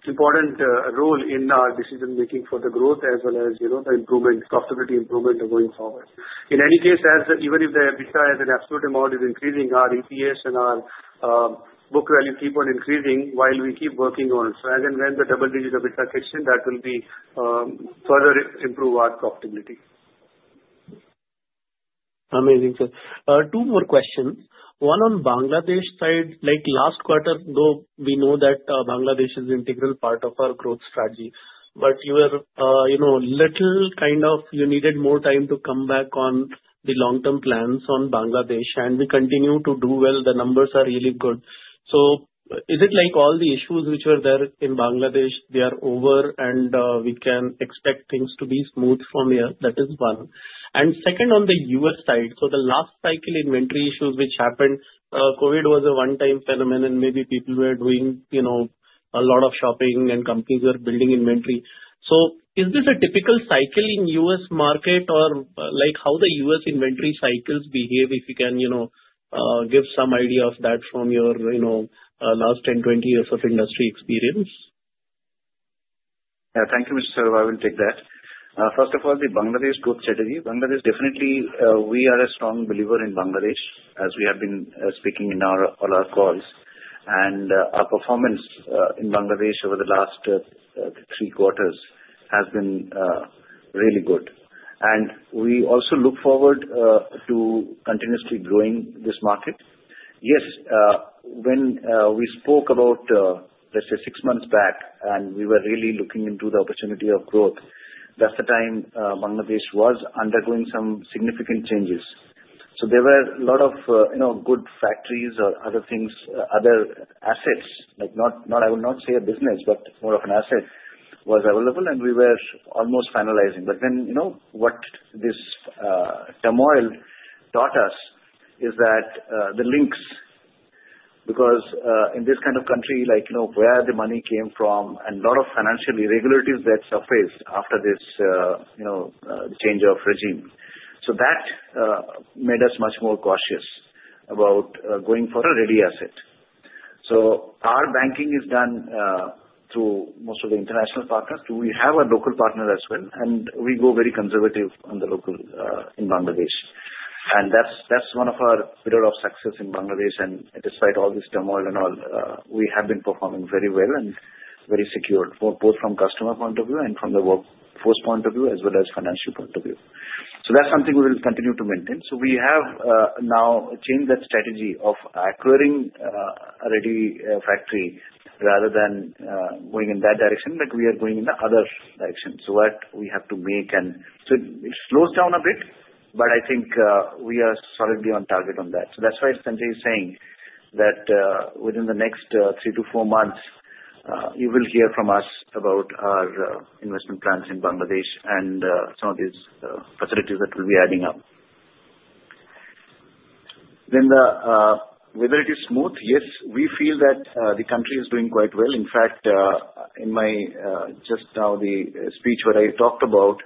important role in our decision-making for the growth as well as the improvement, profitability improvement going forward. In any case, even if the EBITDA as an absolute amount is increasing, our EPS and our book value keep on increasing while we keep working on it. So as and when the double-digit EBITDA kicks in, that will further improve our profitability. Amazing, sir. Two more questions. One on Bangladesh side. Last quarter, though, we know that Bangladesh is an integral part of our growth strategy. But you were a little kind of you needed more time to come back on the long-term plans on Bangladesh, and we continue to do well. The numbers are really good. So is it like all the issues which were there in Bangladesh, they are over, and we can expect things to be smooth from here? That is one. And second, on the U.S. side, so the last cycle inventory issues which happened, COVID was a one-time phenomenon, and maybe people were doing a lot of shopping, and companies were building inventory. So is this a typical cycle in U.S. market, or how do U.S. inventory cycles behave if you can give some idea of that from your last 10, 20 years of industry experience? Yeah. Thank you, Mr. Saurabh. I will take that. First of all, the Bangladesh growth strategy. Definitely, we are a strong believer in Bangladesh, as we have been speaking in all our calls. And our performance in Bangladesh over the last three quarters has been really good. And we also look forward to continuously growing this market. Yes, when we spoke about, let's say, six months back, and we were really looking into the opportunity of growth, that's the time Bangladesh was undergoing some significant changes. So there were a lot of good factories or other things, other assets. I will not say a business, but more of an asset was available, and we were almost finalizing. But then what this turmoil taught us is that the links, because in this kind of country, where the money came from, and a lot of financial irregularities that surfaced after this change of regime, so that made us much more cautious about going for a ready asset, so our banking is done through most of the international partners. We have a local partner as well, and we go very conservative on the local in Bangladesh, and that's one of our pillars of success in Bangladesh, and despite all this turmoil and all, we have been performing very well and very secure, both from a customer point of view and from the workforce point of view, as well as financial point of view, so that's something we will continue to maintain. So we have now changed that strategy of acquiring a ready factory rather than going in that direction, but we are going in the other direction. So what we have to make and so it slows down a bit, but I think we are solidly on target on that. So that's why Sanjay is saying that within the next three to four months, you will hear from us about our investment plans in Bangladesh and some of these facilities that we'll be adding up. Then whether it is smooth, yes, we feel that the country is doing quite well. In fact, just now, the speech where I talked about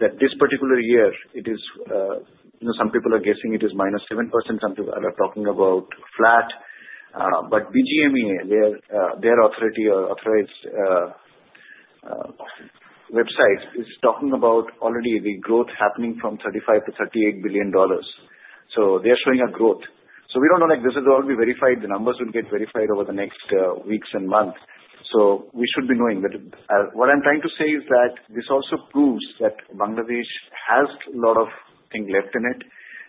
that this particular year, some people are guessing it is -7%. Some people are talking about flat. But BGMEA, their authority or authorized website, is talking about already the growth happening from $35 billion to $38 billion. They're showing a growth. We don't know. This will all be verified. The numbers will get verified over the next weeks and months. We should be knowing, but what I'm trying to say is that this also proves that Bangladesh has a lot of things left in it,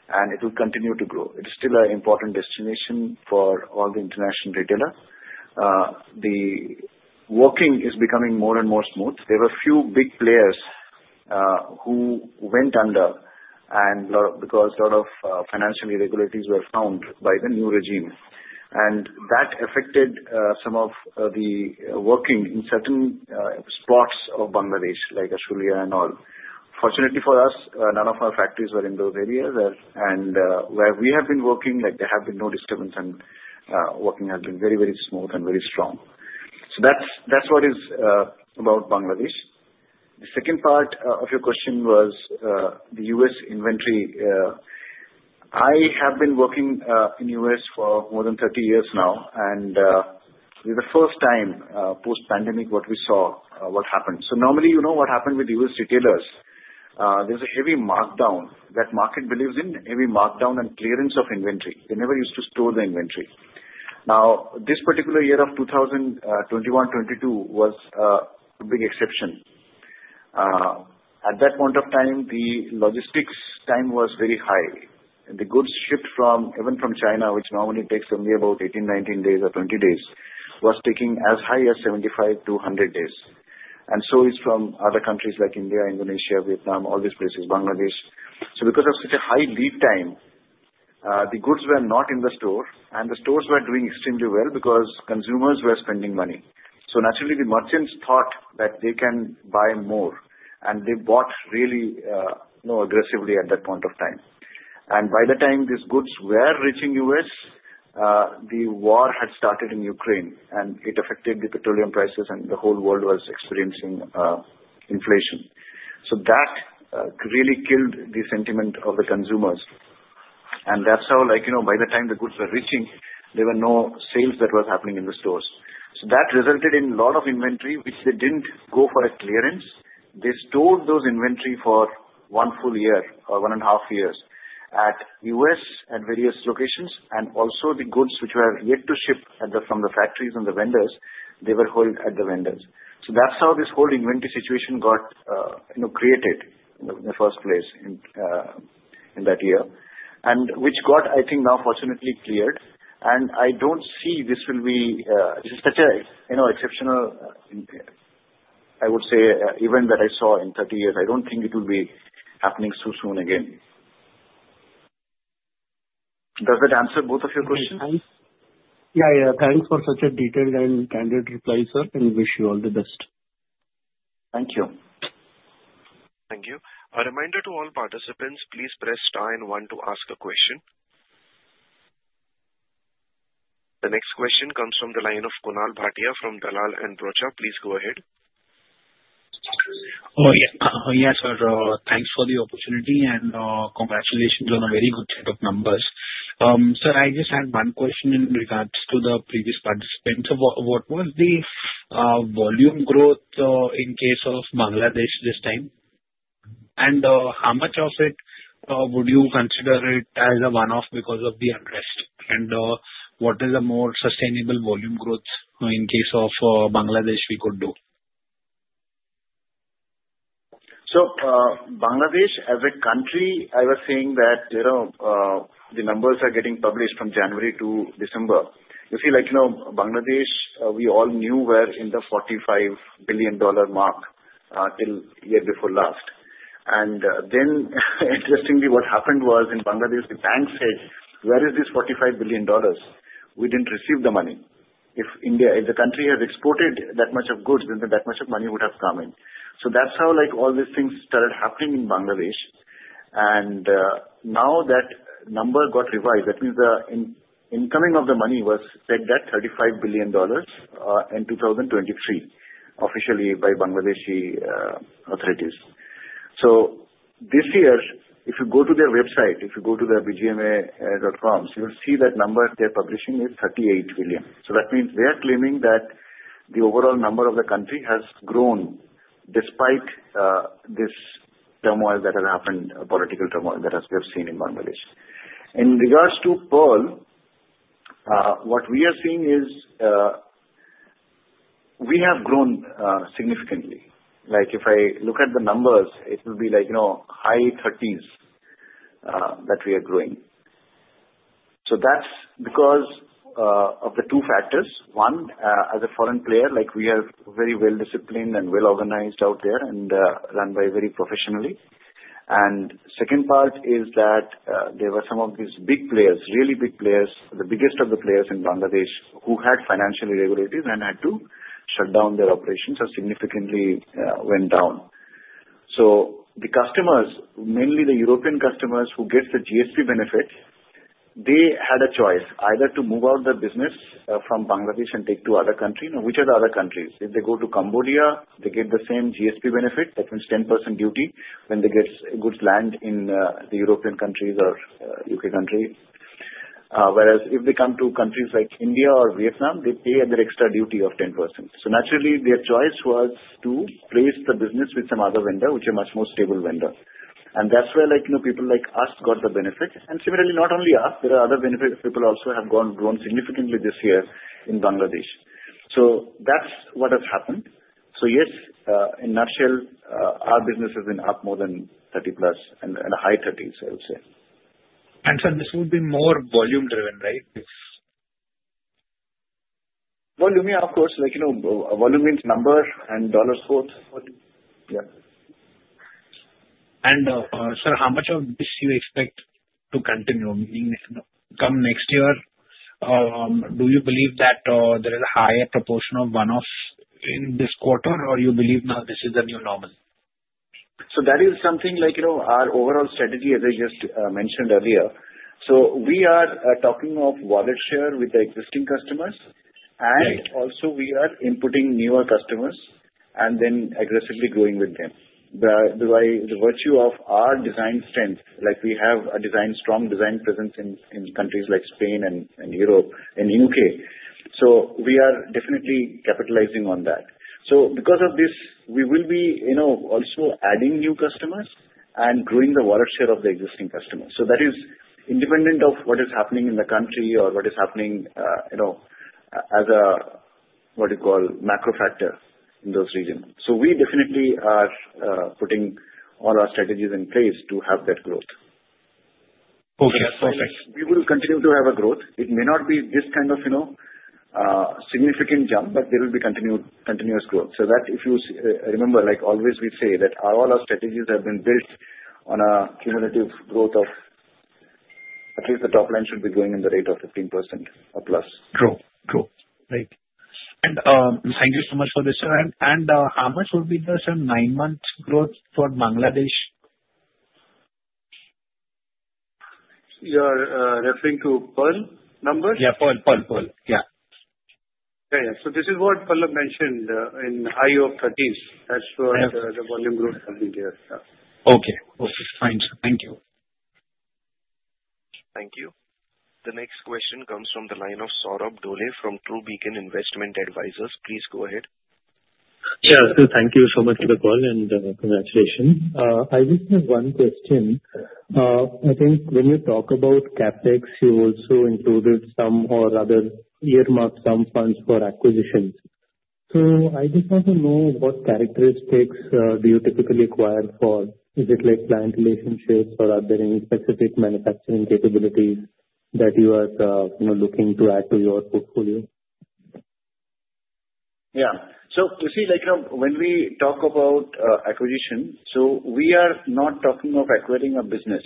and it will continue to grow. It is still an important destination for all the international retailers. The working is becoming more and more smooth. There were a few big players who went under because a lot of financial irregularities were found by the new regime, and that affected some of the working in certain spots of Bangladesh, like Ashulia and all. Fortunately for us, none of our factories were in those areas, and where we have been working, there have been no disturbance, and working has been very, very smooth and very strong. So that's what is about Bangladesh. The second part of your question was the U.S. inventory. I have been working in the U.S. for more than 30 years now, and the first time post-pandemic, what we saw, what happened. So normally, you know what happened with U.S. retailers. There's a heavy markdown. That market believes in heavy markdown and clearance of inventory. They never used to store the inventory. Now, this particular year of 2021-2022 was a big exception. At that point of time, the logistics time was very high. The goods shipped even from China, which normally takes only about 18 days, 19 days or 20 days, was taking as high as 75-100 days. And so it's from other countries like India, Indonesia, Vietnam, all these places, Bangladesh. So because of such a high lead time, the goods were not in the store, and the stores were doing extremely well because consumers were spending money. So naturally, the merchants thought that they can buy more, and they bought really aggressively at that point of time. And by the time these goods were reaching the U.S., the war had started in Ukraine, and it affected the petroleum prices, and the whole world was experiencing inflation. So that really killed the sentiment of the consumers. And that's how, by the time the goods were reaching, there were no sales that were happening in the stores. So that resulted in a lot of inventory, which they didn't go for a clearance. They stored those inventory for one full year or one and a half years at U.S. and various locations, and also the goods which were yet to ship from the factories and the vendors, they were held at the vendors. So that's how this whole inventory situation got created in the first place in that year, which got, I think, now fortunately cleared. And I don't see this will be such an exceptional, I would say, event that I saw in 30 years. I don't think it will be happening so soon again. Does that answer both of your questions? Yeah. Yeah. Thanks for such a detailed and candid reply, sir, and wish you all the best. Thank you. Thank you. A reminder to all participants, please press star and one to ask a question. The next question comes from the line of Kunal Bhatia from Dalal & Broacha. Please go ahead. Oh, yes, sir. Thanks for the opportunity and congratulations on a very good set of numbers. Sir, I just had one question in regards to the previous participants. What was the volume growth in case of Bangladesh this time? And how much of it would you consider it as a one-off because of the unrest? And what is a more sustainable volume growth in case of Bangladesh we could do? So Bangladesh, as a country, I was saying that the numbers are getting published from January to December. You see, Bangladesh, we all knew were in the $45 billion mark till the year before last. And then, interestingly, what happened was in Bangladesh, the bank said, "Where is this $45 billion? We didn't receive the money." If the country has exported that much of goods, then that much of money would have come in. That's how all these things started happening in Bangladesh. And now that number got revised, that means the incoming of the money was set at $35 billion in 2023, officially by Bangladesh authorities. This year, if you go to their website, if you go to the BGMEA.com, you'll see that number they're publishing is $38 billion. That means they are claiming that the overall number of the country has grown despite this turmoil that has happened, political turmoil that we have seen in Bangladesh. In regards to Pearl, what we are seeing is we have grown significantly. If I look at the numbers, it will be high thirties that we are growing. That's because of the two factors. One, as a foreign player, we are very well-disciplined and well-organized out there and run very professionally. The second part is that there were some of these big players, really big players, the biggest of the players in Bangladesh, who had financial irregularities and had to shut down their operations or significantly went down. The customers, mainly the European customers who get the GSP benefit, they had a choice either to move out the business from Bangladesh and take to other countries. Which are the other countries? If they go to Cambodia, they get the same GSP benefit. That means 10% duty when they get goods land in the European countries or U.K. countries. Whereas if they come to countries like India or Vietnam, they pay an extra duty of 10%. Naturally, their choice was to place the business with some other vendor, which is a much more stable vendor. And that's where people like us got the benefit. Similarly, not only us, there are other benefits. Peers also have grown significantly this year in Bangladesh. That's what has happened. Yes, in a nutshell, our business has been up more than 30+ and high thirties, I would say. Sir, this would be more volume-driven, right? Volume, yeah, of course. Volume means number and dollars' worth. Yeah. Sir, how much of this do you expect to continue? Meaning, come next year, do you believe that there is a higher proportion of one-offs in this quarter, or do you believe now this is the new normal? That is something like our overall strategy, as I just mentioned earlier. We are talking of wallet share with the existing customers, and also we are inputting newer customers and then aggressively growing with them. By virtue of our design strength, we have a strong design presence in countries like Spain and Europe and the U.K. So we are definitely capitalizing on that. So because of this, we will be also adding new customers and growing the wallet share of the existing customers. So that is independent of what is happening in the country or what is happening as a, what do you call, macro factor in those regions. So we definitely are putting all our strategies in place to have that growth. Okay. Perfect. We will continue to have a growth. It may not be this kind of significant jump, but there will be continuous growth. So that, if you remember, always we say that all our strategies have been built on a cumulative growth of at least the top line should be growing at the rate of 15% or plus. True. True. Right. And thank you so much for this, sir. And how much would be the nine months growth for Bangladesh? You're referring to Pearl numbers? Yeah. Pearl. Pearl. Pearl. Yeah. Yeah. Yeah. So this is what Pearl mentioned in higher thirties. That's where the volume growth comes in here. Okay. Okay. Fine. Thank you. Thank you. The next question comes from the line of Saurabh Dhole from True Beacon Investment Advisors. Please go ahead. Yeah. Thank you so much for the call and congratulations. I just have one question. I think when you talk about CapEx, you also included some or other earmarked some funds for acquisitions. So I just want to know what characteristics do you typically acquire for? Is it like client relationships or are there any specific manufacturing capabilities that you are looking to add to your portfolio? Yeah. So you see, when we talk about acquisition, so we are not talking of acquiring a business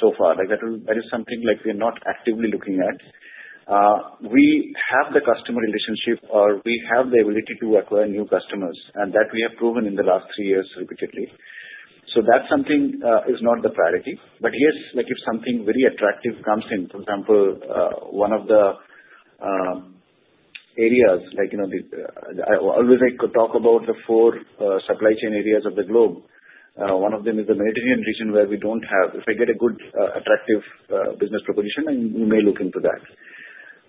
so far. That is something we are not actively looking at. We have the customer relationship or we have the ability to acquire new customers, and that we have proven in the last three years repeatedly. So that's something is not the priority. But yes, if something very attractive comes in, for example, one of the areas, I always talk about the four supply chain areas of the globe. One of them is the Mediterranean region where we don't have. If I get a good attractive business proposition, then we may look into that.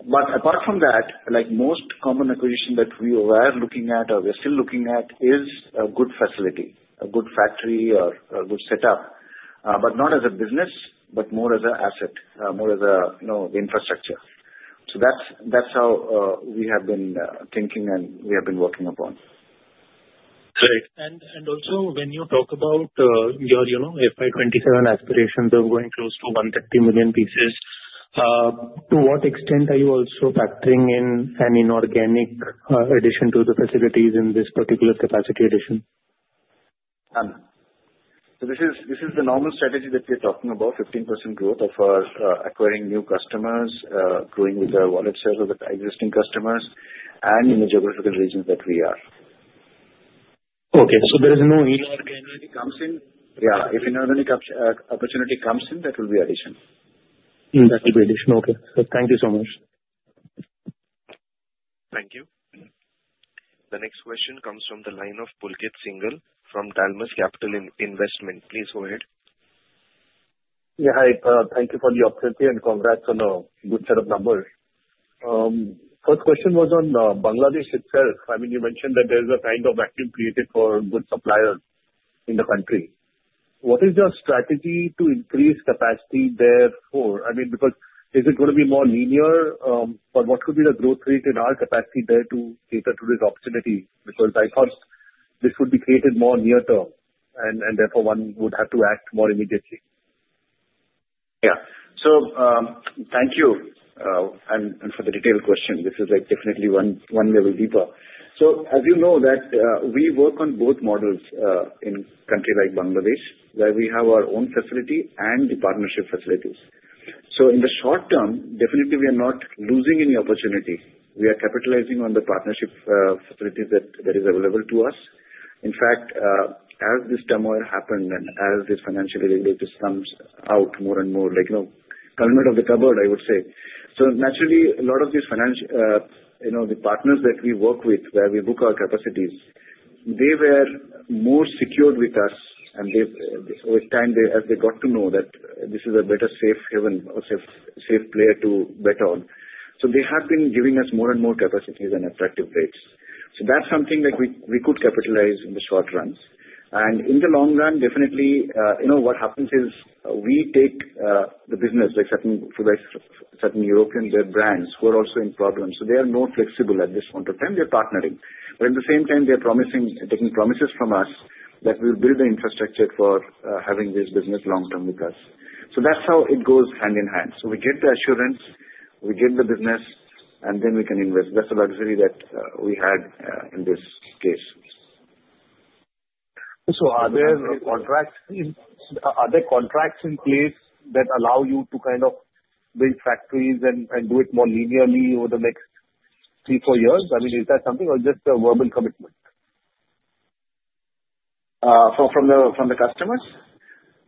But apart from that, most common acquisition that we were looking at or we're still looking at is a good facility, a good factory, or a good setup, but not as a business, but more as an asset, more as an infrastructure. So that's how we have been thinking and we have been working upon. Great. And also, when you talk about your FY 2027 aspirations, they're going close to 130 million pieces. To what extent are you also factoring in an inorganic addition to the facilities in this particular capacity addition? So this is the normal strategy that we are talking about, 15% growth of our acquiring new customers, growing with our wallet shares of existing customers, and in the geographical regions that we are. Okay. So there is no inorganic opportunity comes in? Yeah. If inorganic opportunity comes in, that will be addition. That will be addition. Okay. Thank you so much. Thank you. The next question comes from the line of Pulkit Singhal from Dalmus Capital Investment. Please go ahead. Yeah. Hi. Thank you for the opportunity and congrats on a good set of numbers. First question was on Bangladesh itself. I mean, you mentioned that there is a kind of activity created for good suppliers in the country. What is your strategy to increase capacity therefore? I mean, because is it going to be more linear? But what could be the growth rate in our capacity there to cater to this opportunity? Because I thought this would be created more near-term, and therefore one would have to act more immediately. Yeah. So thank you for the detailed question. This is definitely one level deeper. So as you know, we work on both models in a country like Bangladesh, where we have our own facility and partnership facilities. So in the short term, definitely, we are not losing any opportunity. We are capitalizing on the partnership facilities that are available to us. In fact, as this turmoil happened and as these financial irregularities come out more and more, the skeletons in the cupboard, I would say. So naturally, a lot of these partners that we work with, where we book our capacities, they were more secured with us. And over time, as they got to know that this is a better safe haven, a safe player to bet on, so they have been giving us more and more capacities and attractive rates. So that's something we could capitalize in the short run. And in the long run, definitely, what happens is we take the business, like certain European brands who are also in problems. So they are more flexible at this point of time. They're partnering. But at the same time, they're taking promises from us that we will build the infrastructure for having this business long-term with us. So that's how it goes hand in hand. So we get the assurance, we get the business, and then we can invest. That's the luxury that we had in this case. So are there contracts in place that allow you to kind of build factories and do it more linearly over the next three, four years? I mean, is that something or just a verbal commitment? From the customers? Yes.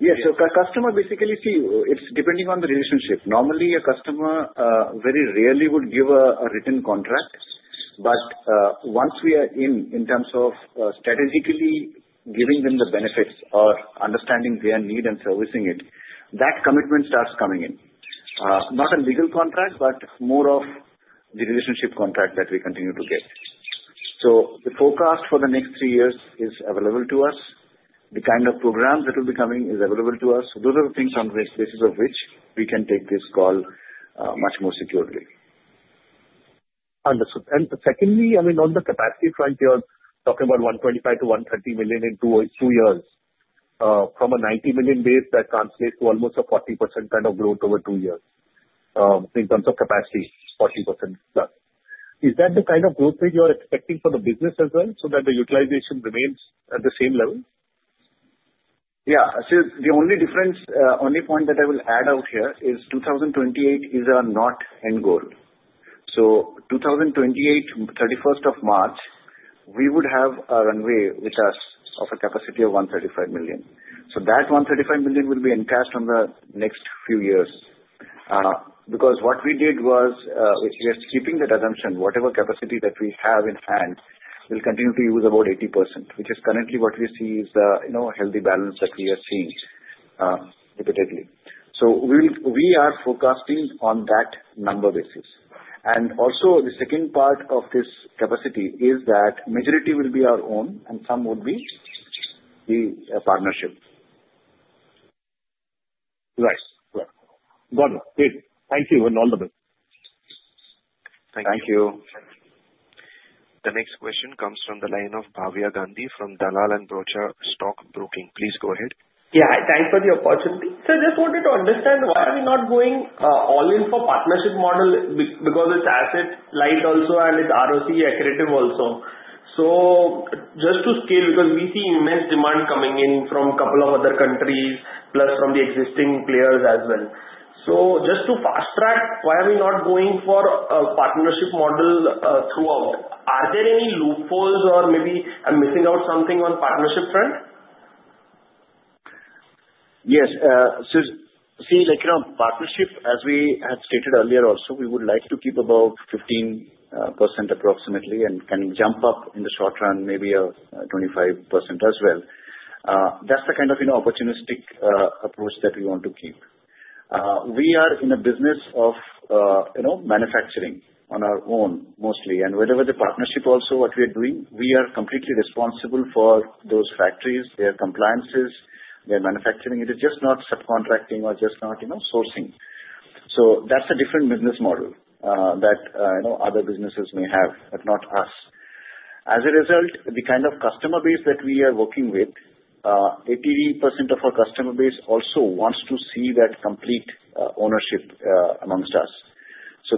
So customer, basically, see, it's depending on the relationship. Normally, a customer very rarely would give a written contract. But once we are in terms of strategically giving them the benefits or understanding their need and servicing it, that commitment starts coming in. Not a legal contract, but more of the relationship contract that we continue to get. So the forecast for the next three years is available to us. The kind of programs that will be coming is available to us. So those are the things on the basis of which we can take this call much more securely. Understood. And secondly, I mean, on the capacity front, you're talking about 125 million-130 million in two years. From a 90 million base, that translates to almost a 40% kind of growth over two years in terms of capacity, 40%+. Is that the kind of growth rate you are expecting for the business as well so that the utilization remains at the same level? Yeah. So the only difference, only point that I will point out here is 2028 is our not end goal. So 2028, 31st of March, we would have a runway with us of a capacity of 135 million. So that 135 million will be encashed on the next few years. Because what we did was we are skipping that assumption. Whatever capacity that we have in hand, we'll continue to use about 80%, which is currently what we see is a healthy balance that we are seeing repeatedly. So we are focusing on that number basis. And also, the second part of this capacity is that majority will be our own and some would be the partnership. Right. Right. Got it. Good. Thank you. And all the best. Thank you. Thank you. The next question comes from the line of Bhavya Gandhi from Dalal & Broacha Stock Broking. Please go ahead. Yeah. Thanks for the opportunity. So I just wanted to understand why are we not going all in for partnership model because it's asset light also and it's ROC accretive also. So just to scale, because we see immense demand coming in from a couple of other countries, plus from the existing players as well. So just to fast track, why are we not going for a partnership model throughout? Are there any loopholes or maybe I'm missing out something on partnership front? Yes. So see, partnership, as we had stated earlier also, we would like to keep about 15% approximately and can jump up in the short run, maybe 25% as well. That's the kind of opportunistic approach that we want to keep. We are in a business of manufacturing on our own mostly. Whatever the partnership also, what we are doing, we are completely responsible for those factories, their compliances, their manufacturing. It is just not subcontracting or just not sourcing. So that's a different business model that other businesses may have, but not us. As a result, the kind of customer base that we are working with, 80% of our customer base also wants to see that complete ownership amongst us. So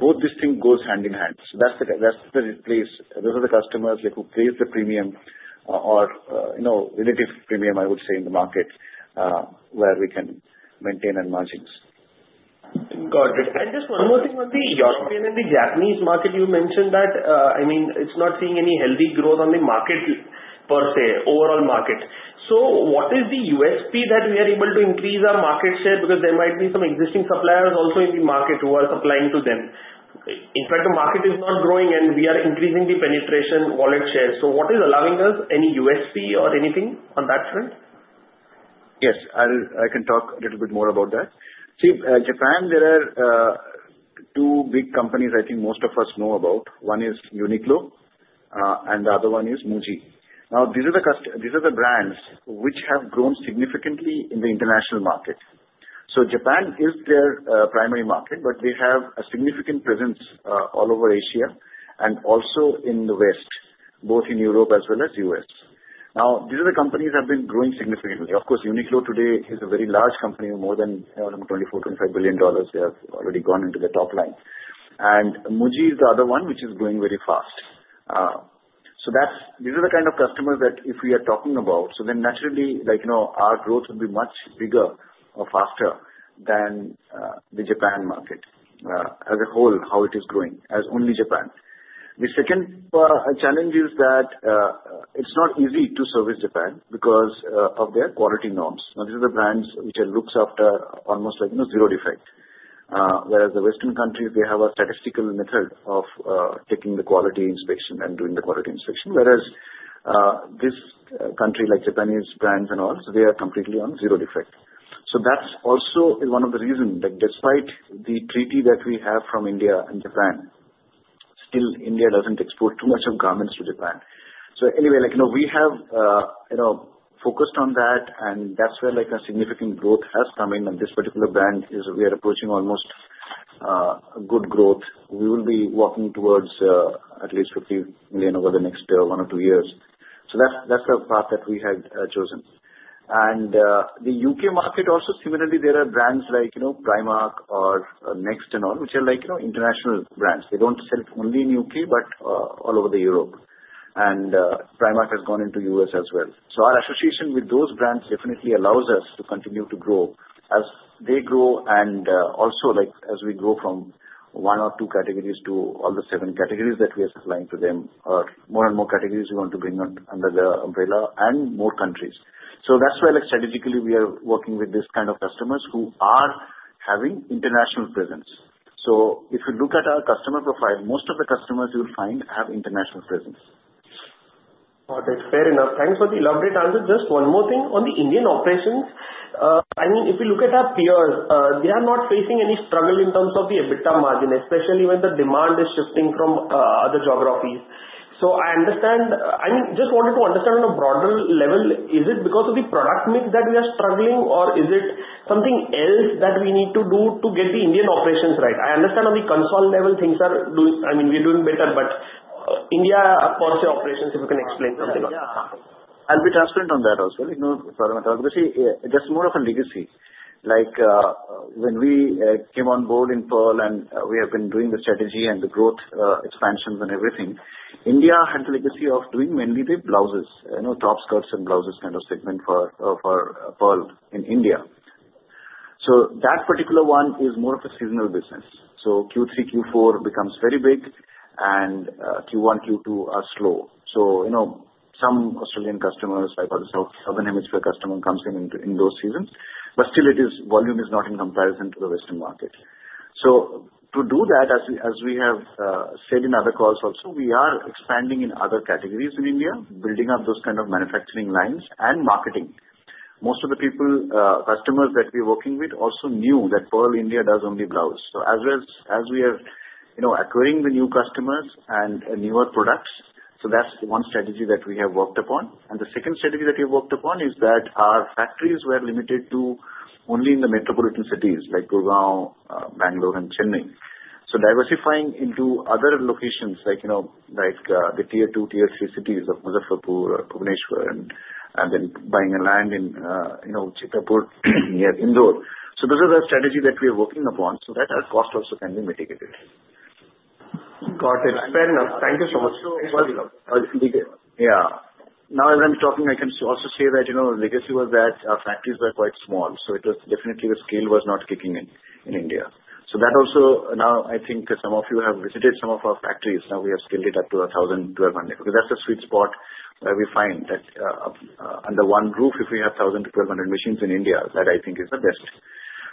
both these things go hand in hand. So that's the place. Those are the customers who pay the premium or relative premium, I would say, in the market where we can maintain our margins. Got it. I just want to say one thing on the European and the Japanese market. You mentioned that. I mean, it's not seeing any healthy growth on the market per se, overall market. So what is the USP that we are able to increase our market share? Because there might be some existing suppliers also in the market who are supplying to them. In fact, the market is not growing, and we are increasing the penetration wallet shares. So what is allowing us any USP or anything on that front? Yes. I can talk a little bit more about that. See, Japan, there are two big companies I think most of us know about. One is Uniqlo, and the other one is Muji. Now, these are the brands which have grown significantly in the international market. So Japan is their primary market, but they have a significant presence all over Asia and also in the West, both in Europe as well as the U.S. Now, these are the companies that have been growing significantly. Of course, Uniqlo today is a very large company, more than $24 billion-$25 billion. They have already gone into the top line. And Muji is the other one which is growing very fast. So these are the kind of customers that if we are talking about, so then naturally, our growth would be much bigger or faster than the Japan market as a whole, how it is growing as only Japan. The second challenge is that it's not easy to service Japan because of their quality norms. Now, these are the brands which look after almost zero defect. Whereas the Western countries, they have a statistical method of taking the quality inspection and doing the quality inspection. Whereas this country, like Japanese brands and all, so they are completely on zero defect. So that also is one of the reasons that despite the treaty that we have from India and Japan, still, India doesn't export too much of garments to Japan. So anyway, we have focused on that, and that's where a significant growth has come in. And this particular brand is we are approaching almost good growth. We will be walking towards at least 50 million over the next one or two years. So that's the path that we had chosen. And the U.K. market also, similarly, there are brands like Primark or Next and all, which are international brands. They don't sell only in the U.K., but all over Europe. And Primark has gone into the U.S. as well. So our association with those brands definitely allows us to continue to grow as they grow and also as we grow from one or two categories to all the seven categories that we are supplying to them or more and more categories we want to bring under the umbrella and more countries. So that's why strategically we are working with this kind of customers who are having international presence. So if you look at our customer profile, most of the customers you'll find have international presence. Got it. Fair enough. Thanks for the elaborate answer. Just one more thing on the Indian operations. I mean, if you look at our peers, they are not facing any struggle in terms of the EBITDA margin, especially when the demand is shifting from other geographies. So I understand. I mean, just wanted to understand on a broader level, is it because of the product mix that we are struggling, or is it something else that we need to do to get the Indian operations right? I understand on the consolidated level, things are doing I mean, we're doing better, but India per se operations, if you can explain something on that. I'll be transparent on that also. Sorry, Moderator. Because see, there's more of a legacy. When we came on board in Pearl, and we have been doing the strategy and the growth expansions and everything, India had the legacy of doing mainly the blouses, tops, skirts and blouses kind of segment for Pearl in India. So that particular one is more of a seasonal business. So Q3, Q4 becomes very big, and Q1, Q2 are slow. Some Australian customers, like our Southern Hemisphere customer, come in in those seasons. But still, its volume is not in comparison to the Western market. To do that, as we have said in other calls also, we are expanding in other categories in India, building up those kind of manufacturing lines and marketing. Most of the customers that we are working with also knew that Pearl India does only blouse. As we are acquiring the new customers and newer products, so that's one strategy that we have worked upon. The second strategy that we have worked upon is that our factories were limited to only in the metropolitan cities like Gurgaon, Bangalore, and Chennai. Diversifying into other locations like the tier two, tier three cities of Muzaffarpur or Bhubaneswar, and then buying a land in Pithampur near Indore. So those are the strategies that we are working upon so that our cost also can be mitigated. Got it. Fair enough. Thank you so much. Yeah. Now, as I'm talking, I can also say that the legacy was that our factories were quite small. So definitely, the scale was not kicking in in India. So that also, now, I think some of you have visited some of our factories. Now, we have scaled it up to 1,000-1,200. Because that's a sweet spot where we find that under one roof, if we have 1,000-1,200 machines in India, that I think is the best.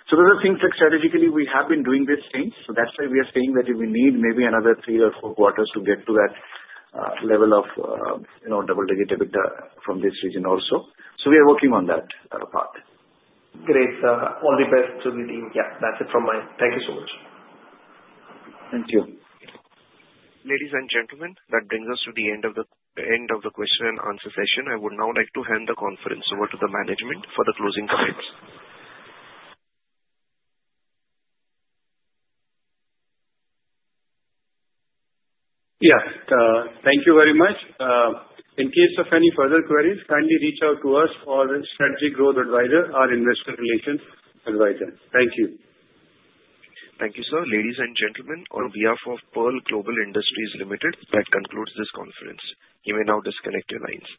So those are things that strategically we have been doing these things. So that's why we are saying that we need maybe another three or four quarters to get to that level of double-digit EBITDA from this region also. So we are working on that part. Great. All the best to the team. Yeah. That's it from mine. Thank you so much. Thank you. Ladies and gentlemen, that brings us to the end of the question and answer session. I would now like to hand the conference over to the management for the closing comments. Yes. Thank you very much. In case of any further queries, kindly reach out to us or Strategic Growth Advisors or investor relations advisor. Thank you. Thank you, sir. Ladies and gentlemen, on behalf of Pearl Global Industries Limited, that concludes this conference. You may now disconnect your lines.